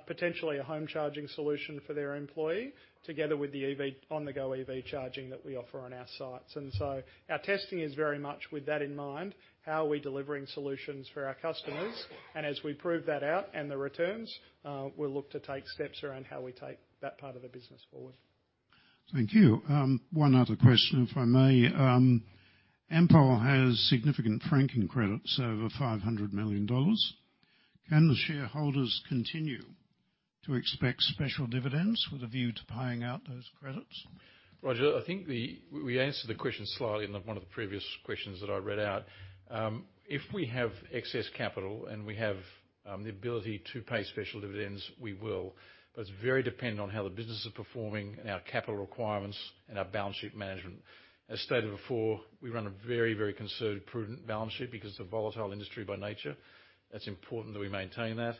potentially a home charging solution for their employee, together with the on-the-go EV charging that we offer on our sites. And so our testing is very much, with that in mind, how are we delivering solutions for our customers? And as we prove that out and the returns, we'll look to take steps around how we take that part of the business forward. Thank you. One other question, if I may. Ampol has significant franking credits over 500 million dollars. Can the shareholders continue to expect special dividends with a view to paying out those credits? Roger, I think we answered the question slightly in one of the previous questions that I read out. If we have excess capital and we have the ability to pay special dividends, we will. But it's very dependent on how the business is performing and our capital requirements and our balance sheet management. As stated before, we run a very, very conservative, prudent balance sheet because it's a volatile industry by nature. It's important that we maintain that.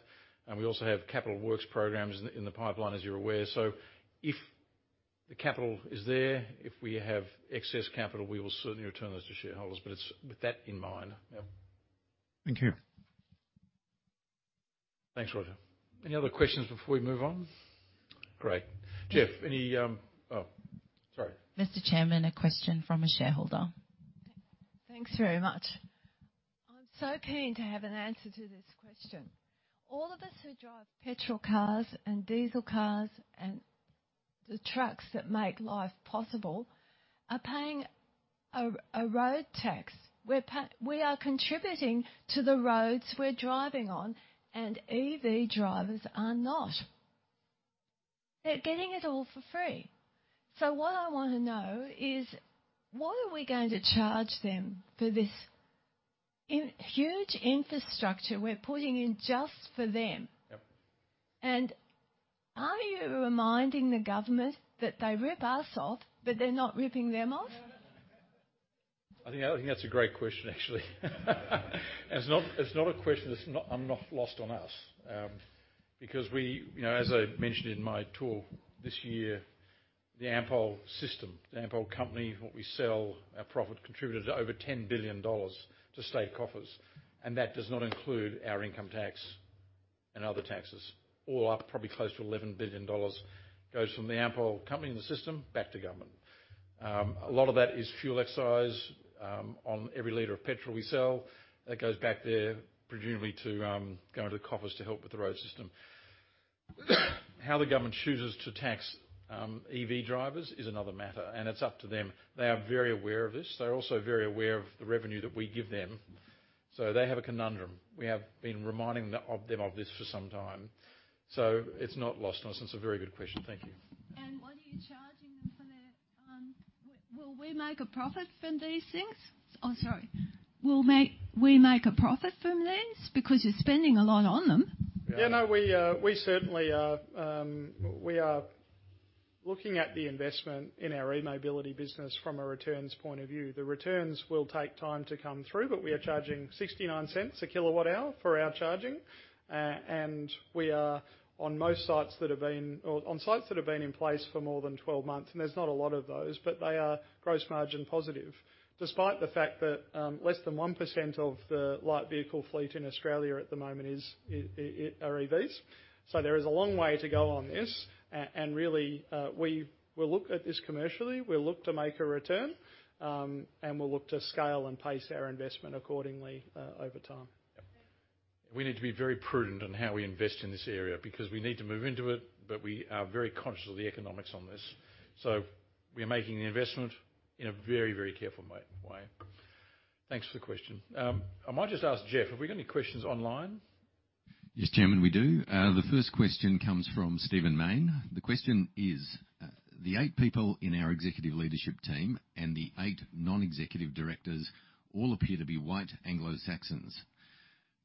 And we also have capital works programs in the pipeline, as you're aware. So if the capital is there, if we have excess capital, we will certainly return those to shareholders. But it's with that in mind. Yeah. Thank you. Thanks, Roger. Any other questions before we move on? Great. Jeff, any oh, sorry. Mr. Chairman, a question from a shareholder. Thanks very much. I'm so keen to have an answer to this question. All of us who drive petrol cars and diesel cars and the trucks that make life possible are paying a road tax. We are contributing to the roads we're driving on. EV drivers are not. They're getting it all for free. What I want to know is, what are we going to charge them for this huge infrastructure we're putting in just for them? Are you reminding the government that they rip us off, but they're not ripping them off? I think that's a great question, actually. It's not a question that's lost on us. Because as I mentioned in my talk this year, the Ampol system, the Ampol company, what we sell, our profit contributed to over 10 billion dollars to state coffers. And that does not include our income tax and other taxes. All up, probably close to AUD 11 billion goes from the Ampol company and the system back to government. A lot of that is fuel excise on every liter of petrol we sell. That goes back there, presumably, to going to the coffers to help with the road system. How the government chooses to tax EV drivers is another matter. And it's up to them. They are very aware of this. They're also very aware of the revenue that we give them. They have a conundrum. We have been reminding them of this for some time. So it's not lost on us. It's a very good question. Thank you. What are you charging them for there? Will we make a profit from these things? Oh, sorry. Will we make a profit from these because you're spending a lot on them? Yeah. No, we certainly are looking at the investment in our e-mobility business from a returns point of view. The returns will take time to come through. But we are charging 0.69/kWh for our charging. And we are on most sites that have been in place for more than 12 months. And there's not a lot of those. But they are gross margin positive, despite the fact that less than 1% of the light vehicle fleet in Australia at the moment are EVs. So there is a long way to go on this. And really, we will look at this commercially. We'll look to make a return. And we'll look to scale and pace our investment accordingly over time. Yeah. We need to be very prudent in how we invest in this area because we need to move into it. But we are very conscious of the economics on this. So we are making the investment in a very, very careful way. Thanks for the question. I might just ask Jeff if we've got any questions online. Yes, Chairman, we do. The first question comes from Stephen Mayne. The question is, "The eight people in our executive leadership team and the eight non-executive directors all appear to be white Anglo-Saxons.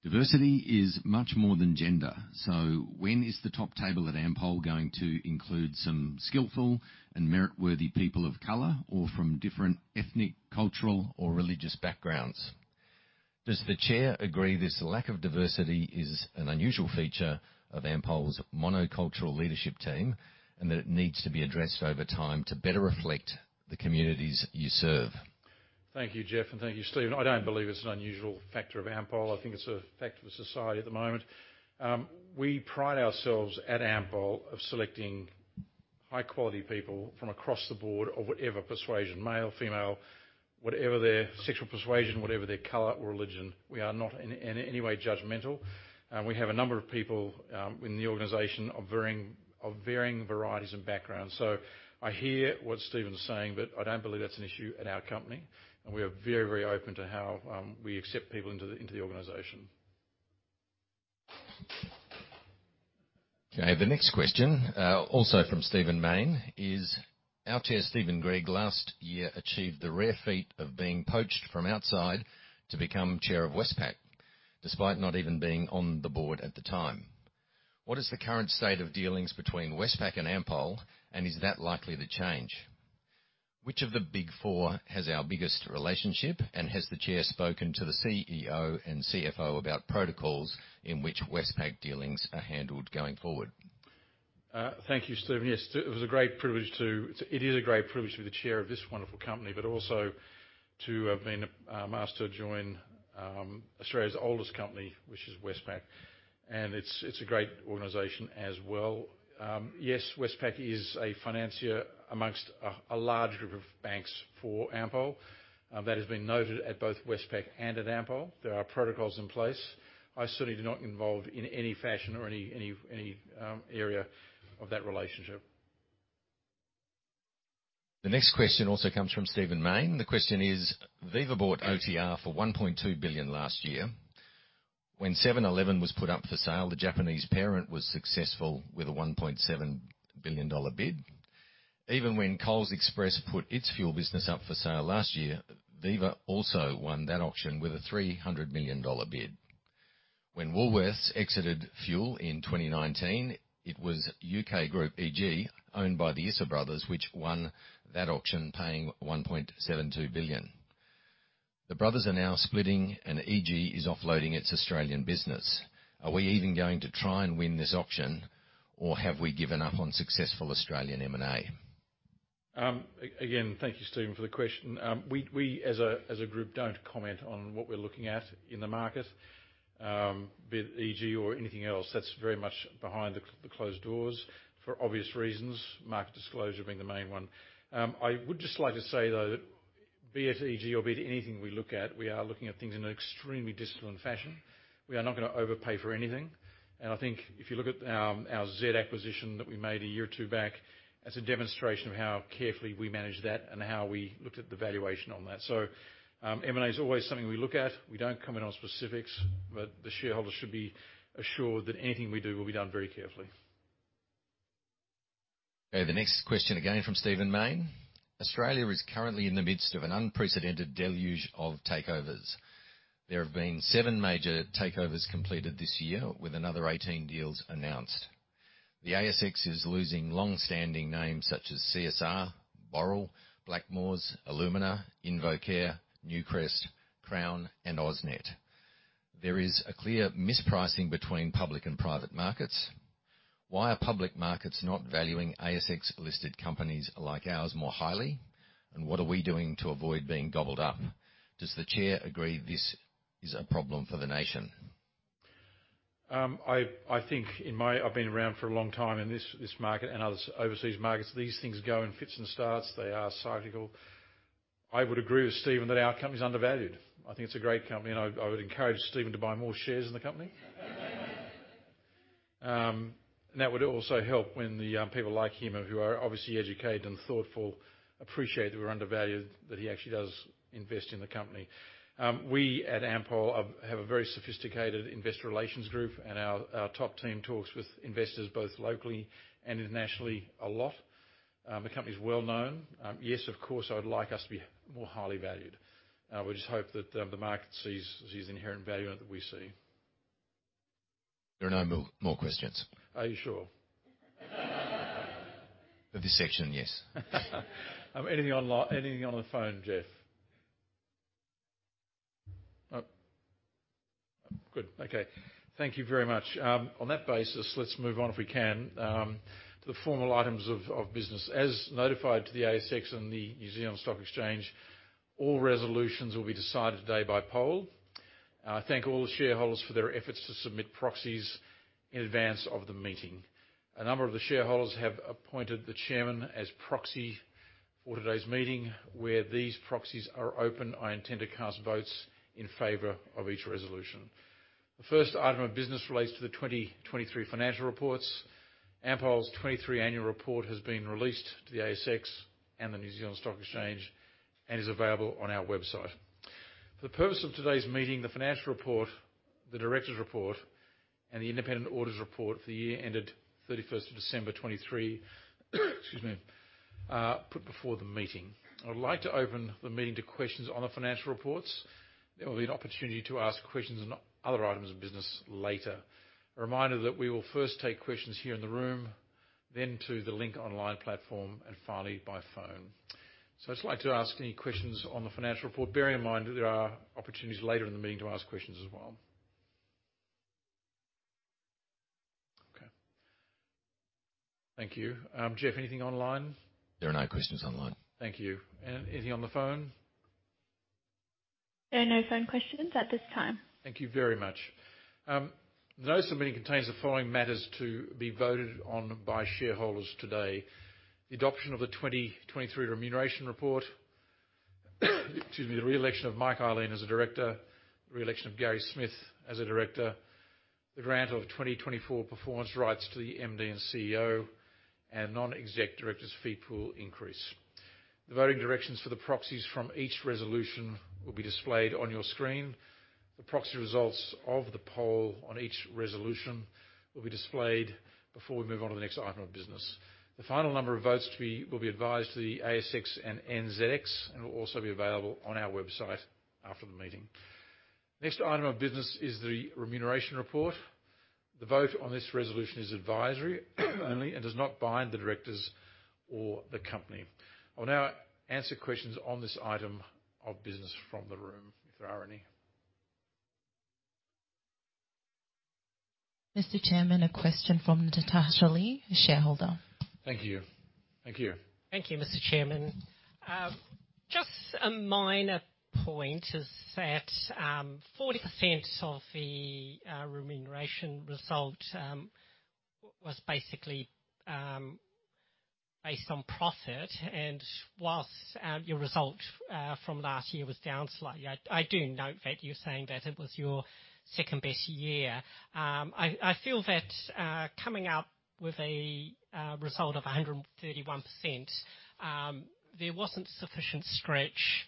Diversity is much more than gender. So when is the top table at Ampol going to include some skillful and meritworthy people of color or from different ethnic, cultural, or religious backgrounds? Does the Chair agree this lack of diversity is an unusual feature of Ampol's monocultural leadership team and that it needs to be addressed over time to better reflect the communities you serve? Thank you, Jeff. And thank you, Stephen. I don't believe it's an unusual factor of Ampol. I think it's a factor of society at the moment. We pride ourselves at Ampol of selecting high-quality people from across the board of whatever persuasion - male, female, whatever their sexual persuasion, whatever their color or religion. We are not in any way judgmental. And we have a number of people in the organization of varying varieties and backgrounds. So I hear what Stephen's saying. But I don't believe that's an issue at our company. And we are very, very open to how we accept people into the organization. ===Okay. The next question, also from Stephen Mayne, is, "Our Chair, Steven Gregg, last year achieved the rare feat of being poached from outside to become Chair of Westpac despite not even being on the board at the time. What is the current state of dealings between Westpac and Ampol? And is that likely to change? Which of the Big Four has our biggest relationship? And has the Chair spoken to the CEO and CFO about protocols in which Westpac dealings are handled going forward? Thank you, Stephen. Yes, it was a great privilege; it is a great privilege to be the Chair of this wonderful company but also to have been asked to join Australia's oldest company, which is Westpac. And it's a great organisation as well. Yes, Westpac is a financier amongst a large group of banks for Ampol. That has been noted at both Westpac and at Ampol. There are protocols in place. I certainly do not involve in any fashion or any area of that relationship. The next question also comes from Stephen Mayne. The question is, "Viva bought OTR for 1.2 billion last year. When 7-Eleven was put up for sale, the Japanese parent was successful with a 1.7 billion dollar bid. Even when Coles Express put its fuel business up for sale last year, Viva also won that auction with a 300 million dollar bid. When Woolworths exited fuel in 2019, it was EG Group owned by the Issa Brothers, which won that auction paying 1.72 billion. The brothers are now splitting. And EG is offloading its Australian business. Are we even going to try and win this auction? Or have we given up on successful Australian M&A? Again, thank you, Stephen, for the question. We, as a group, don't comment on what we're looking at in the market. Be it EG or anything else, that's very much behind the closed doors for obvious reasons, market disclosure being the main one. I would just like to say, though, that be it EG or be it anything we look at, we are looking at things in an extremely disciplined fashion. We are not going to overpay for anything. And I think if you look at our Z acquisition that we made a year or two back, it's a demonstration of how carefully we managed that and how we looked at the valuation on that. So M&A is always something we look at. We don't comment on specifics. But the shareholders should be assured that anything we do will be done very carefully. Okay. The next question again from Stephen Mayne. "Australia is currently in the midst of an unprecedented deluge of takeovers. There have been seven major takeovers completed this year with another 18 deals announced. The ASX is losing long-standing names such as CSR, Boral, Blackmores, Alumina, InvoCare, Newcrest, Crown, and AusNet. There is a clear mispricing between public and private markets. Why are public markets not valuing ASX-listed companies like ours more highly? And what are we doing to avoid being gobbled up? Does the Chair agree this is a problem for the nation? I think I've been around for a long time in this market and others overseas markets. These things go in fits and starts. They are cyclical. I would agree with Stephen that our company's undervalued. I think it's a great company. And I would encourage Stephen to buy more shares in the company. And that would also help when the people like him, who are obviously educated and thoughtful, appreciate that we're undervalued, that he actually does invest in the company. We at Ampol have a very sophisticated investor relations group. And our top team talks with investors both locally and internationally a lot. The company's well-known. Yes, of course, I would like us to be more highly valued. We just hope that the market sees the inherent value in it that we see. There are no more questions. Are you sure? Of this section, yes. Anything on the phone, Jeff? Oh. Good. Okay. Thank you very much. On that basis, let's move on, if we can, to the formal items of business. As notified to the ASX and the New Zealand Stock Exchange, all resolutions will be decided today by poll. I thank all the shareholders for their efforts to submit proxies in advance of the meeting. A number of the shareholders have appointed the Chairman as proxy for today's meeting. Where these proxies are open, I intend to cast votes in favour of each resolution. The first item of business relates to the 2023 financial reports. Ampol's 2023 annual report has been released to the ASX and the New Zealand Stock Exchange and is available on our website. For the purpose of today's meeting, the financial report, the directors' report, and the independent audit report for the year ended 31st of December 2023, excuse me, put before the meeting. I would like to open the meeting to questions on the financial reports. There will be an opportunity to ask questions on other items of business later. A reminder that we will first take questions here in the room, then to the Link online platform, and finally by phone. So I'd just like to ask any questions on the financial report. Bear in mind that there are opportunities later in the meeting to ask questions as well. Okay. Thank you. Jeff, anything online? There are no questions online. Thank you. Anything on the phone? There are no phone questions at this time. Thank you very much. The notice submitting contains the following matters to be voted on by shareholders today: the adoption of the 2023 remuneration report, excuse me, the reelection of Mike Ihlein as a director, the reelection of Gary Smith as a director, the grant of 2024 performance rights to the MD and CEO, and non-exec directors' fee pool increase. The voting directions for the proxies from each resolution will be displayed on your screen. The proxy results of the poll on each resolution will be displayed before we move on to the next item of business. The final number of votes will be advised to the ASX and NZX and will also be available on our website after the meeting. The next item of business is the remuneration report. The vote on this resolution is advisory only and does not bind the directors or the company. I will now answer questions on this item of business from the room if there are any. Mr. Chairman, a question from Natasha Lee, a shareholder. Thank you. Thank you. Thank you, Mr. Chairman. Just a minor point is that 40% of the remuneration result was basically based on profit. While your result from last year was down slightly I do note that you're saying that it was your second-best year. I feel that coming up with a result of 131%. There wasn't sufficient stretch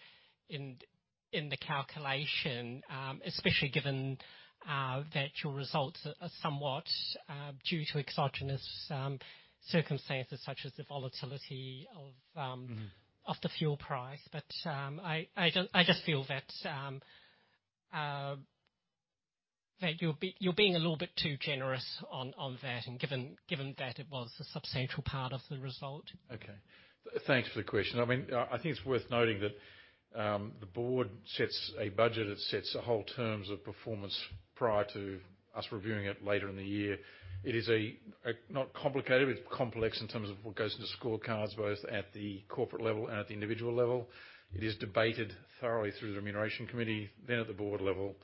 in the calculation, especially given that your results are somewhat due to exogenous circumstances such as the volatility of the fuel price. I just feel that you're being a little bit too generous on that and given that it was a substantial part of the result. Okay. Thanks for the question. I mean, I think it's worth noting that the board sets a budget. It sets the whole terms of performance prior to us reviewing it later in the year. It is not complicated. But it's complex in terms of what goes into scorecards both at the corporate level and at the individual level. It is debated thoroughly through the remuneration committee, then at the board level,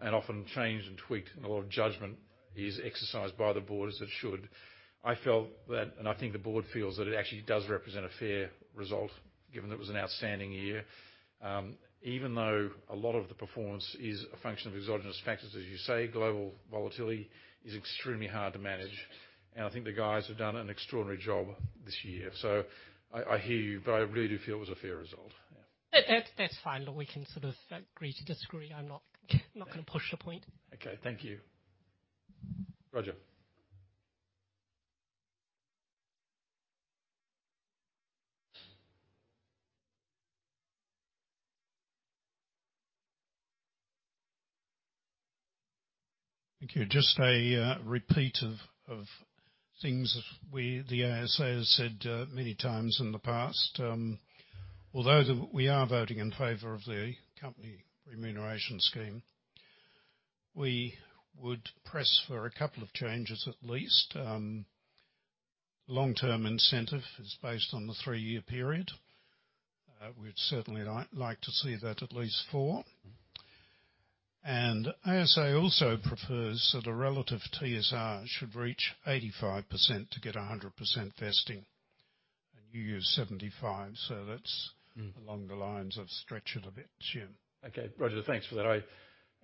and often changed and tweaked. And a lot of judgment is exercised by the board as it should. I felt that and I think the board feels that it actually does represent a fair result given that it was an outstanding year, even though a lot of the performance is a function of exogenous factors, as you say. Global volatility is extremely hard to manage. And I think the guys have done an extraordinary job this year. So I hear you. But I really do feel it was a fair result. Yeah. That's fine. We can sort of agree to disagree. I'm not going to push the point. Okay. Thank you. Roger. Thank you. Just a repeat of things the ASA has said many times in the past. Although we are voting in favor of the company remuneration scheme, we would press for a couple of changes at least. The long-term incentive is based on the three-year period. We'd certainly like to see that at least four. And ASA also prefers that a relative TSR should reach 85% to get 100% vesting. And you use 75%. So that's along the lines of stretch it a bit, yeah. Okay. Roger. Thanks for that.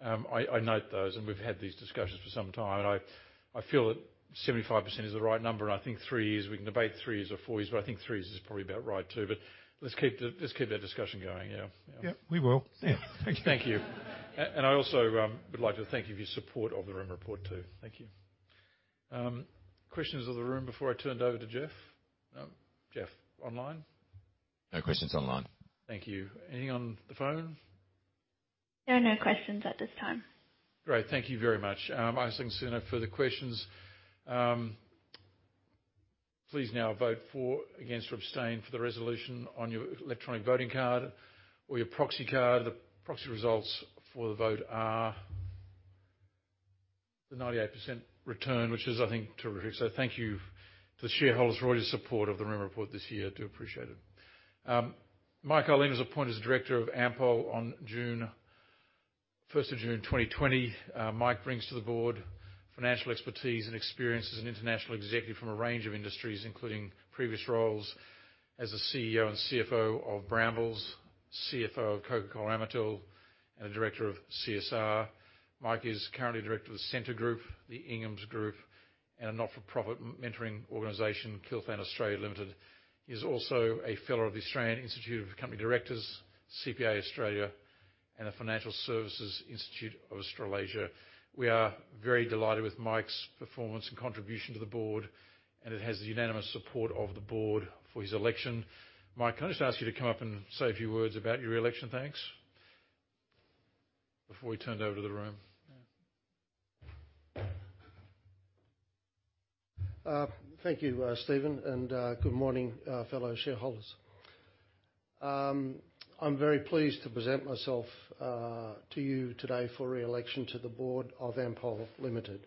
I note those. And we've had these discussions for some time. And I feel that 75% is the right number. And I think three years we can debate three years or four years. But I think three years is probably about right too. But let's keep that discussion going. Yeah. Yeah. Yeah. We will. Yeah. Thank you. Thank you. I also would like to thank you for your support of the Rem Report too. Thank you. Questions of the room before I turned over to Jeff? No? Jeff, online? No questions online. Thank you. Anything on the phone? There are no questions at this time. Great. Thank you very much. Isaac and Sunna, for the questions. Please now vote for, against, or abstain for the resolution on your electronic voting card or your proxy card. The proxy results for the vote are the 98% return, which is, I think, terrific. So thank you to the shareholders, Roger, support of the room report this year. I do appreciate it. Mike Ihlein was appointed as director of Ampol on 1st of June, 2020. Mike brings to the board financial expertise and experience as an international executive from a range of industries including previous roles as the CEO and CFO of Brambles, CFO of Coca-Cola Amatil, and a director of CSR. Mike is currently director of the Scentre Group, the Inghams Group, and a not-for-profit mentoring organization, Kilfinan Australia Limited. He is also a fellow of the Australian Institute of Company Directors, CPA Australia, and the Financial Services Institute of Australasia. We are very delighted with Mike's performance and contribution to the board. It has the unanimous support of the board for his election. Mike, can I just ask you to come up and say a few words about your reelection thanks before we turned over to the room? Yeah. Thank you, Steven. Good morning, fellow shareholders. I'm very pleased to present myself to you today for reelection to the board of Ampol Limited.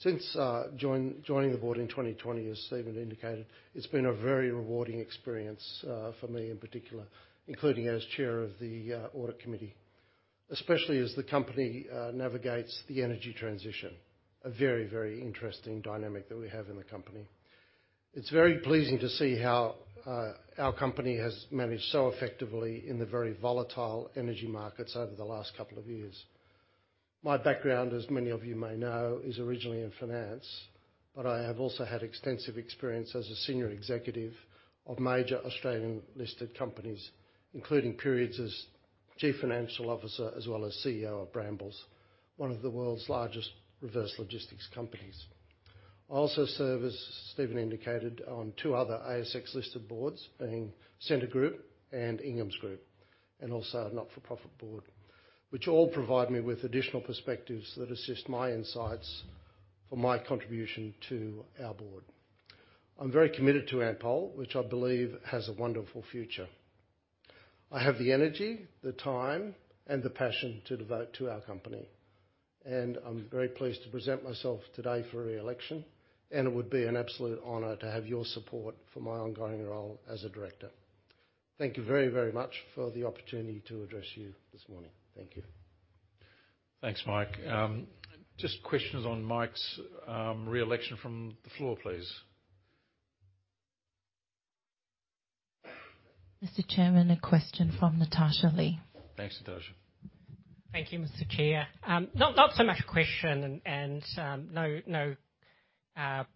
Since joining the board in 2020, as Steven indicated, it's been a very rewarding experience for me in particular, including as chair of the audit committee, especially as the company navigates the energy transition, a very, very interesting dynamic that we have in the company. It's very pleasing to see how our company has managed so effectively in the very volatile energy markets over the last couple of years. My background, as many of you may know, is originally in finance. I have also had extensive experience as a senior executive of major Australian-listed companies including periods as Chief Financial Officer as well as CEO of Brambles, one of the world's largest reverse logistics companies. I also serve, as Steven indicated, on two other ASX-listed boards being Scentre Group and Inghams Group and also a not-for-profit board, which all provide me with additional perspectives that assist my insights for my contribution to our board. I'm very committed to Ampol, which I believe has a wonderful future. I have the energy, the time, and the passion to devote to our company. I'm very pleased to present myself today for reelection. It would be an absolute honour to have your support for my ongoing role as a director. Thank you very, very much for the opportunity to address you this morning. Thank you. Thanks, Mike. Just questions on Mike's reelection from the floor, please. Mr. Chairman, a question from Natasha Lee. Thanks, Natasha. Thank you, Mr. Chair. Not so much a question and no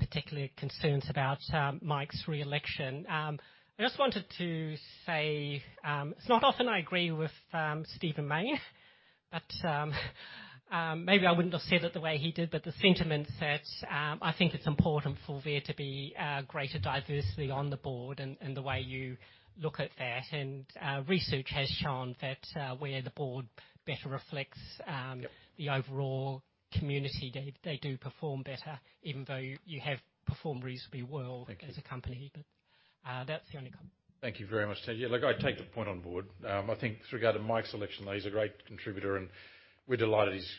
particular concerns about Mike's reelection. I just wanted to say it's not often I agree with Stephen Mayne. But maybe I wouldn't have said it the way he did. But the sentiment's that I think it's important for there to be greater diversity on the board and the way you look at that. And research has shown that where the board better reflects the overall community, they do perform better even though you have performed reasonably well as a company. But that's the only comment. Thank you very much, Ted. Yeah. Look, I'd take the point on board. I think with regard to Mike's election, he's a great contributor. And we're delighted he's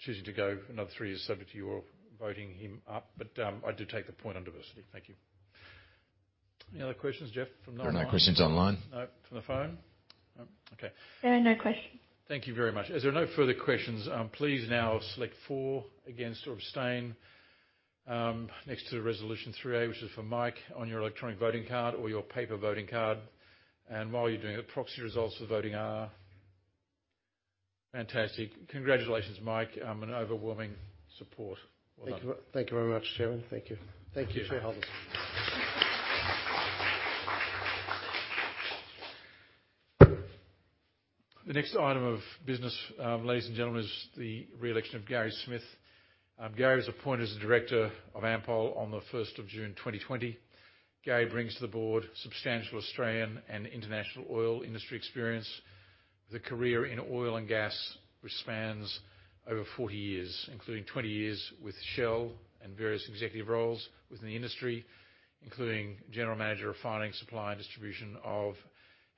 choosing to go. Another three is subject to your voting him up. But I do take the point on diversity. Thank you. Any other questions, Jeff, from the online? There are no questions online. No? From the phone? No? Okay. There are no questions. Thank you very much. As there are no further questions, please now select for, against, or abstain next to resolution 3A, which is for Mike, on your electronic voting card or your paper voting card. And while you're doing it, the proxy results for voting are fantastic. Congratulations, Mike, and overwhelming support. Well done. Thank you very much, Chairman. Thank you. Thank you, shareholders. The next item of business, ladies and gentlemen, is the reelection of Gary Smith. Gary was appointed as the director of Ampol on the 1st of June, 2020. Gary brings to the board substantial Australian and international oil industry experience. The career in oil and gas which spans over 40 years including 20 years with Shell and various executive roles within the industry including general manager of refining, supply, and distribution of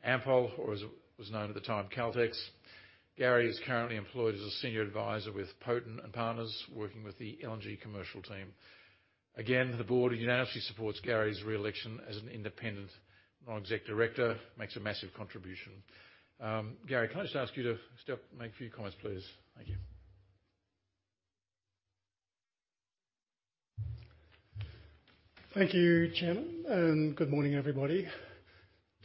Ampol or as it was known at the time, Caltex. Gary is currently employed as a senior advisor with Poten & Partners working with the LNG commercial team. Again, the board unanimously supports Gary's reelection as an independent non-exec director, makes a massive contribution. Gary, can I just ask you to make a few comments, please? Thank you. Thank you, Chairman. Good morning, everybody.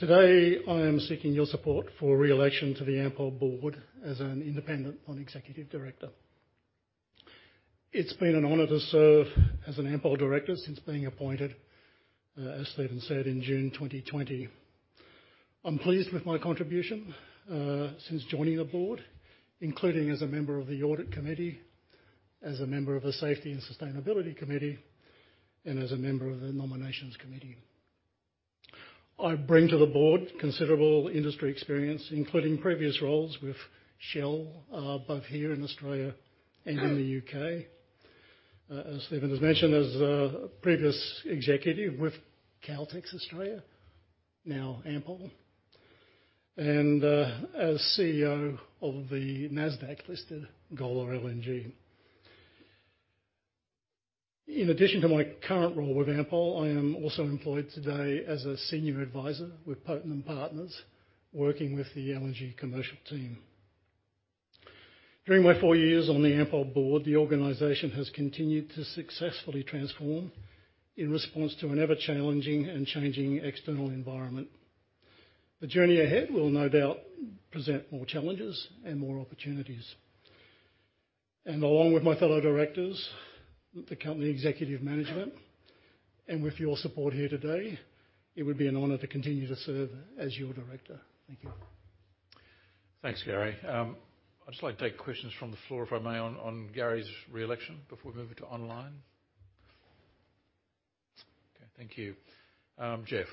Today, I am seeking your support for reelection to the Ampol board as an independent non-executive director. It's been an honor to serve as an Ampol director since being appointed, as Stephen said, in June 2020. I'm pleased with my contribution since joining the board including as a member of the audit committee, as a member of the safety and sustainability committee, and as a member of the nominations committee. I bring to the board considerable industry experience including previous roles with Shell both here in Australia and in the U.K. As Stephen has mentioned, as a previous executive with Caltex Australia, now Ampol, and as CEO of the Nasdaq-listed Golar LNG. In addition to my current role with Ampol, I am also employed today as a senior advisor with Poten and Partners working with the LNG commercial team. During my four years on the Ampol board, the organization has continued to successfully transform in response to an ever-challenging and changing external environment. The journey ahead will no doubt present more challenges and more opportunities. Along with my fellow directors, the company executive management, and with your support here today, it would be an honor to continue to serve as your director. Thank you. Thanks, Gary. I'd just like to take questions from the floor, if I may, on Gary's reelection before we move it to online. Okay. Thank you. Jeff?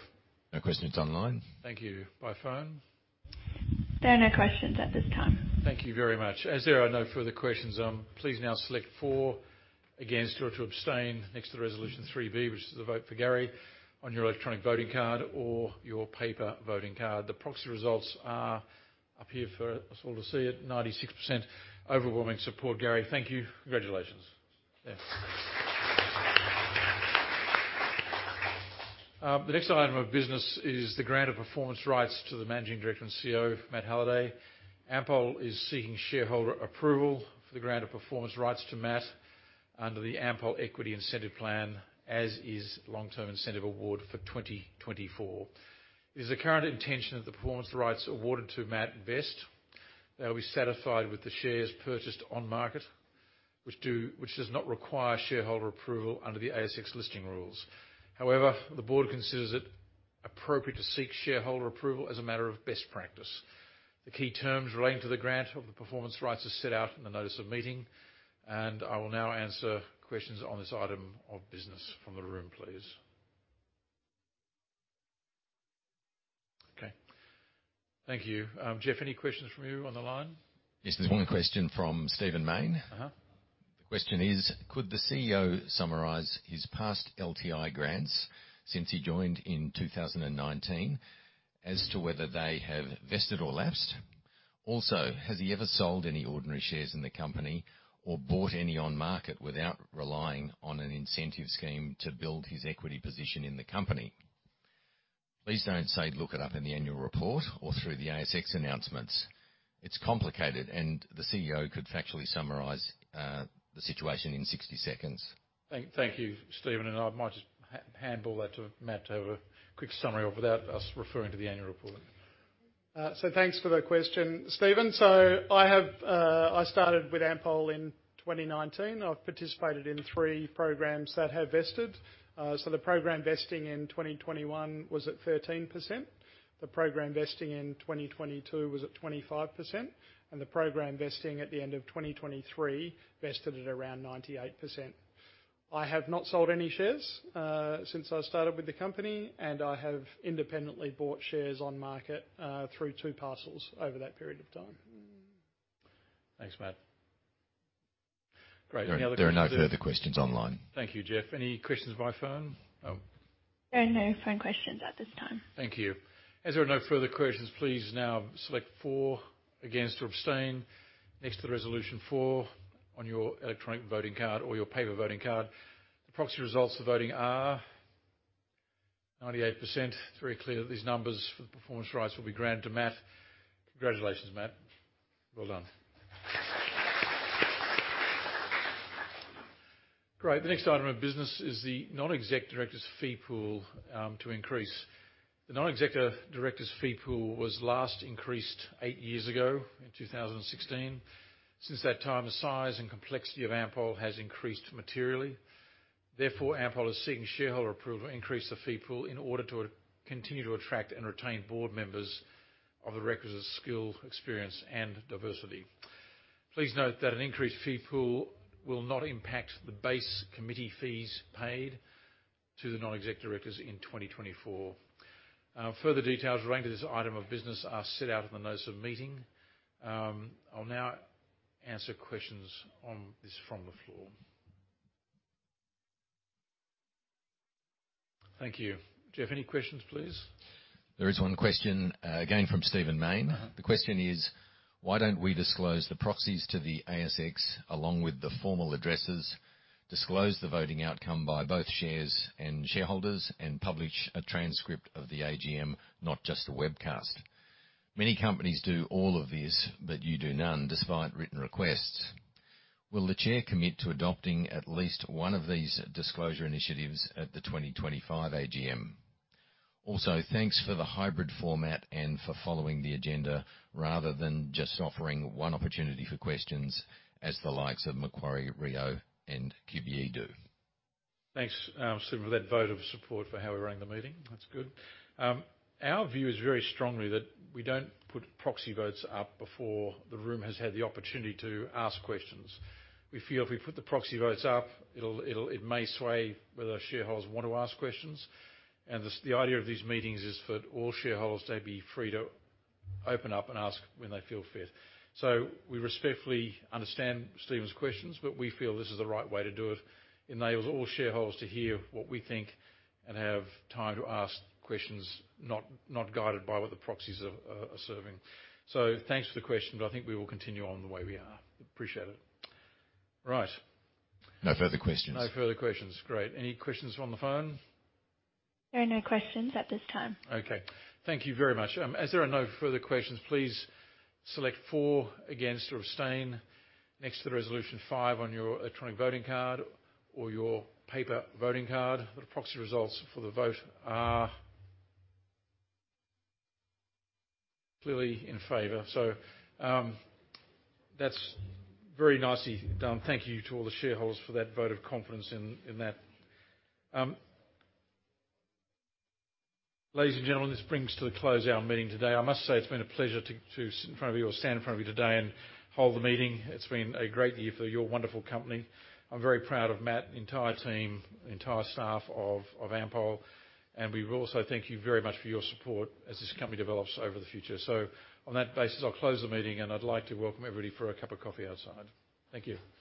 No questions online. Thank you. By phone? There are no questions at this time. Thank you very much. As there are no further questions, please now select for, against, or to abstain next to resolution 3B, which is the vote for Gary, on your electronic voting card or your paper voting card. The proxy results are up here for us all to see it. 96% overwhelming support, Gary. Thank you. Congratulations. Yeah. The next item of business is the grant of performance rights to the Managing Director and CEO, Matt Halliday. Ampol is seeking shareholder approval for the grant of performance rights to Matt under the Ampol Equity Incentive Plan as is Long-Term Incentive Award for 2024. It is the current intention that the performance rights awarded to Matt best. They will be satisfied with the shares purchased on market which does not require shareholder approval under the ASX listing rules. However, the board considers it appropriate to seek shareholder approval as a matter of best practice. The key terms relating to the grant of the performance rights are set out in the notice of meeting. I will now answer questions on this item of business from the room, please. Okay. Thank you. Jeff, any questions from you on the line? Yes. There's one question from Stephen Mayne. The question is, could the CEO summarise his past LTI grants since he joined in 2019 as to whether they have vested or lapsed? Also, has he ever sold any ordinary shares in the company or bought any on market without relying on an incentive scheme to build his equity position in the company? Please don't say, "Look it up in the annual report," or through the ASX announcements. It's complicated. And the CEO could factually summarise the situation in 60 seconds. Thank you, Stephen. I might just handball that to Matt to have a quick summary of without us referring to the annual report. Thanks for the question, Stephen. I started with Ampol in 2019. I've participated in three programs that have vested. The program vesting in 2021 was at 13%. The program vesting in 2022 was at 25%. The program vesting at the end of 2023 vested at around 98%. I have not sold any shares since I started with the company. I have independently bought shares on market through two parcels over that period of time. Thanks, Matt. Great. Any other questions? There are no further questions online. Thank you, Jeff. Any questions by phone? There are no phone questions at this time. Thank you. As there are no further questions, please now select for, against, or abstain next to the resolution four on your electronic voting card or your paper voting card. The proxy results for voting are 98%. It's very clear that these numbers for the performance rights will be granted to Matt. Congratulations, Matt. Well done. Great. The next item of business is the non-exec director's fee pool to increase. The non-exec director's fee pool was last increased eight years ago in 2016. Since that time, the size and complexity of Ampol has increased materially. Therefore, Ampol is seeking shareholder approval to increase the fee pool in order to continue to attract and retain board members of the requisite skill, experience, and diversity. Please note that an increased fee pool will not impact the base committee fees paid to the non-exec directors in 2024. Further details relating to this item of business are set out in the notice of meeting. I'll now answer questions on this from the floor. Thank you. Jeff, any questions, please? There is one question again from Stephen Mayne. The question is, why don't we disclose the proxies to the ASX along with the formal addresses, disclose the voting outcome by both shares and shareholders, and publish a transcript of the AGM, not just a webcast? Many companies do all of this, but you do none despite written requests. Will the chair commit to adopting at least one of these disclosure initiatives at the 2025 AGM? Also, thanks for the hybrid format and for following the agenda rather than just offering one opportunity for questions as the likes of Macquarie, Rio, and QBE do. Thanks, Stephen, for that vote of support for how we're running the meeting. That's good. Our view is very strongly that we don't put proxy votes up before the room has had the opportunity to ask questions. We feel if we put the proxy votes up, it may sway whether shareholders want to ask questions. The idea of these meetings is for all shareholders to be free to open up and ask when they feel fit. We respectfully understand Stephen's questions. We feel this is the right way to do it. It enables all shareholders to hear what we think and have time to ask questions not guided by what the proxies are serving. Thanks for the question. I think we will continue on the way we are. Appreciate it. Right. No further questions. No further questions. Great. Any questions from the phone? There are no questions at this time. Okay. Thank you very much. As there are no further questions, please select for, against, or abstain next to the resolution five on your electronic voting card or your paper voting card. The proxy results for the vote are clearly in favor. So that's very nicely done. Thank you to all the shareholders for that vote of confidence in that. Ladies and gentlemen, this brings to a close our meeting today. I must say it's been a pleasure to sit in front of you or stand in front of you today and hold the meeting. It's been a great year for your wonderful company. I'm very proud of Matt, the entire team, the entire staff of Ampol. And we also thank you very much for your support as this company develops over the future. So on that basis, I'll close the meeting. I'd like to welcome everybody for a cup of coffee outside. Thank you.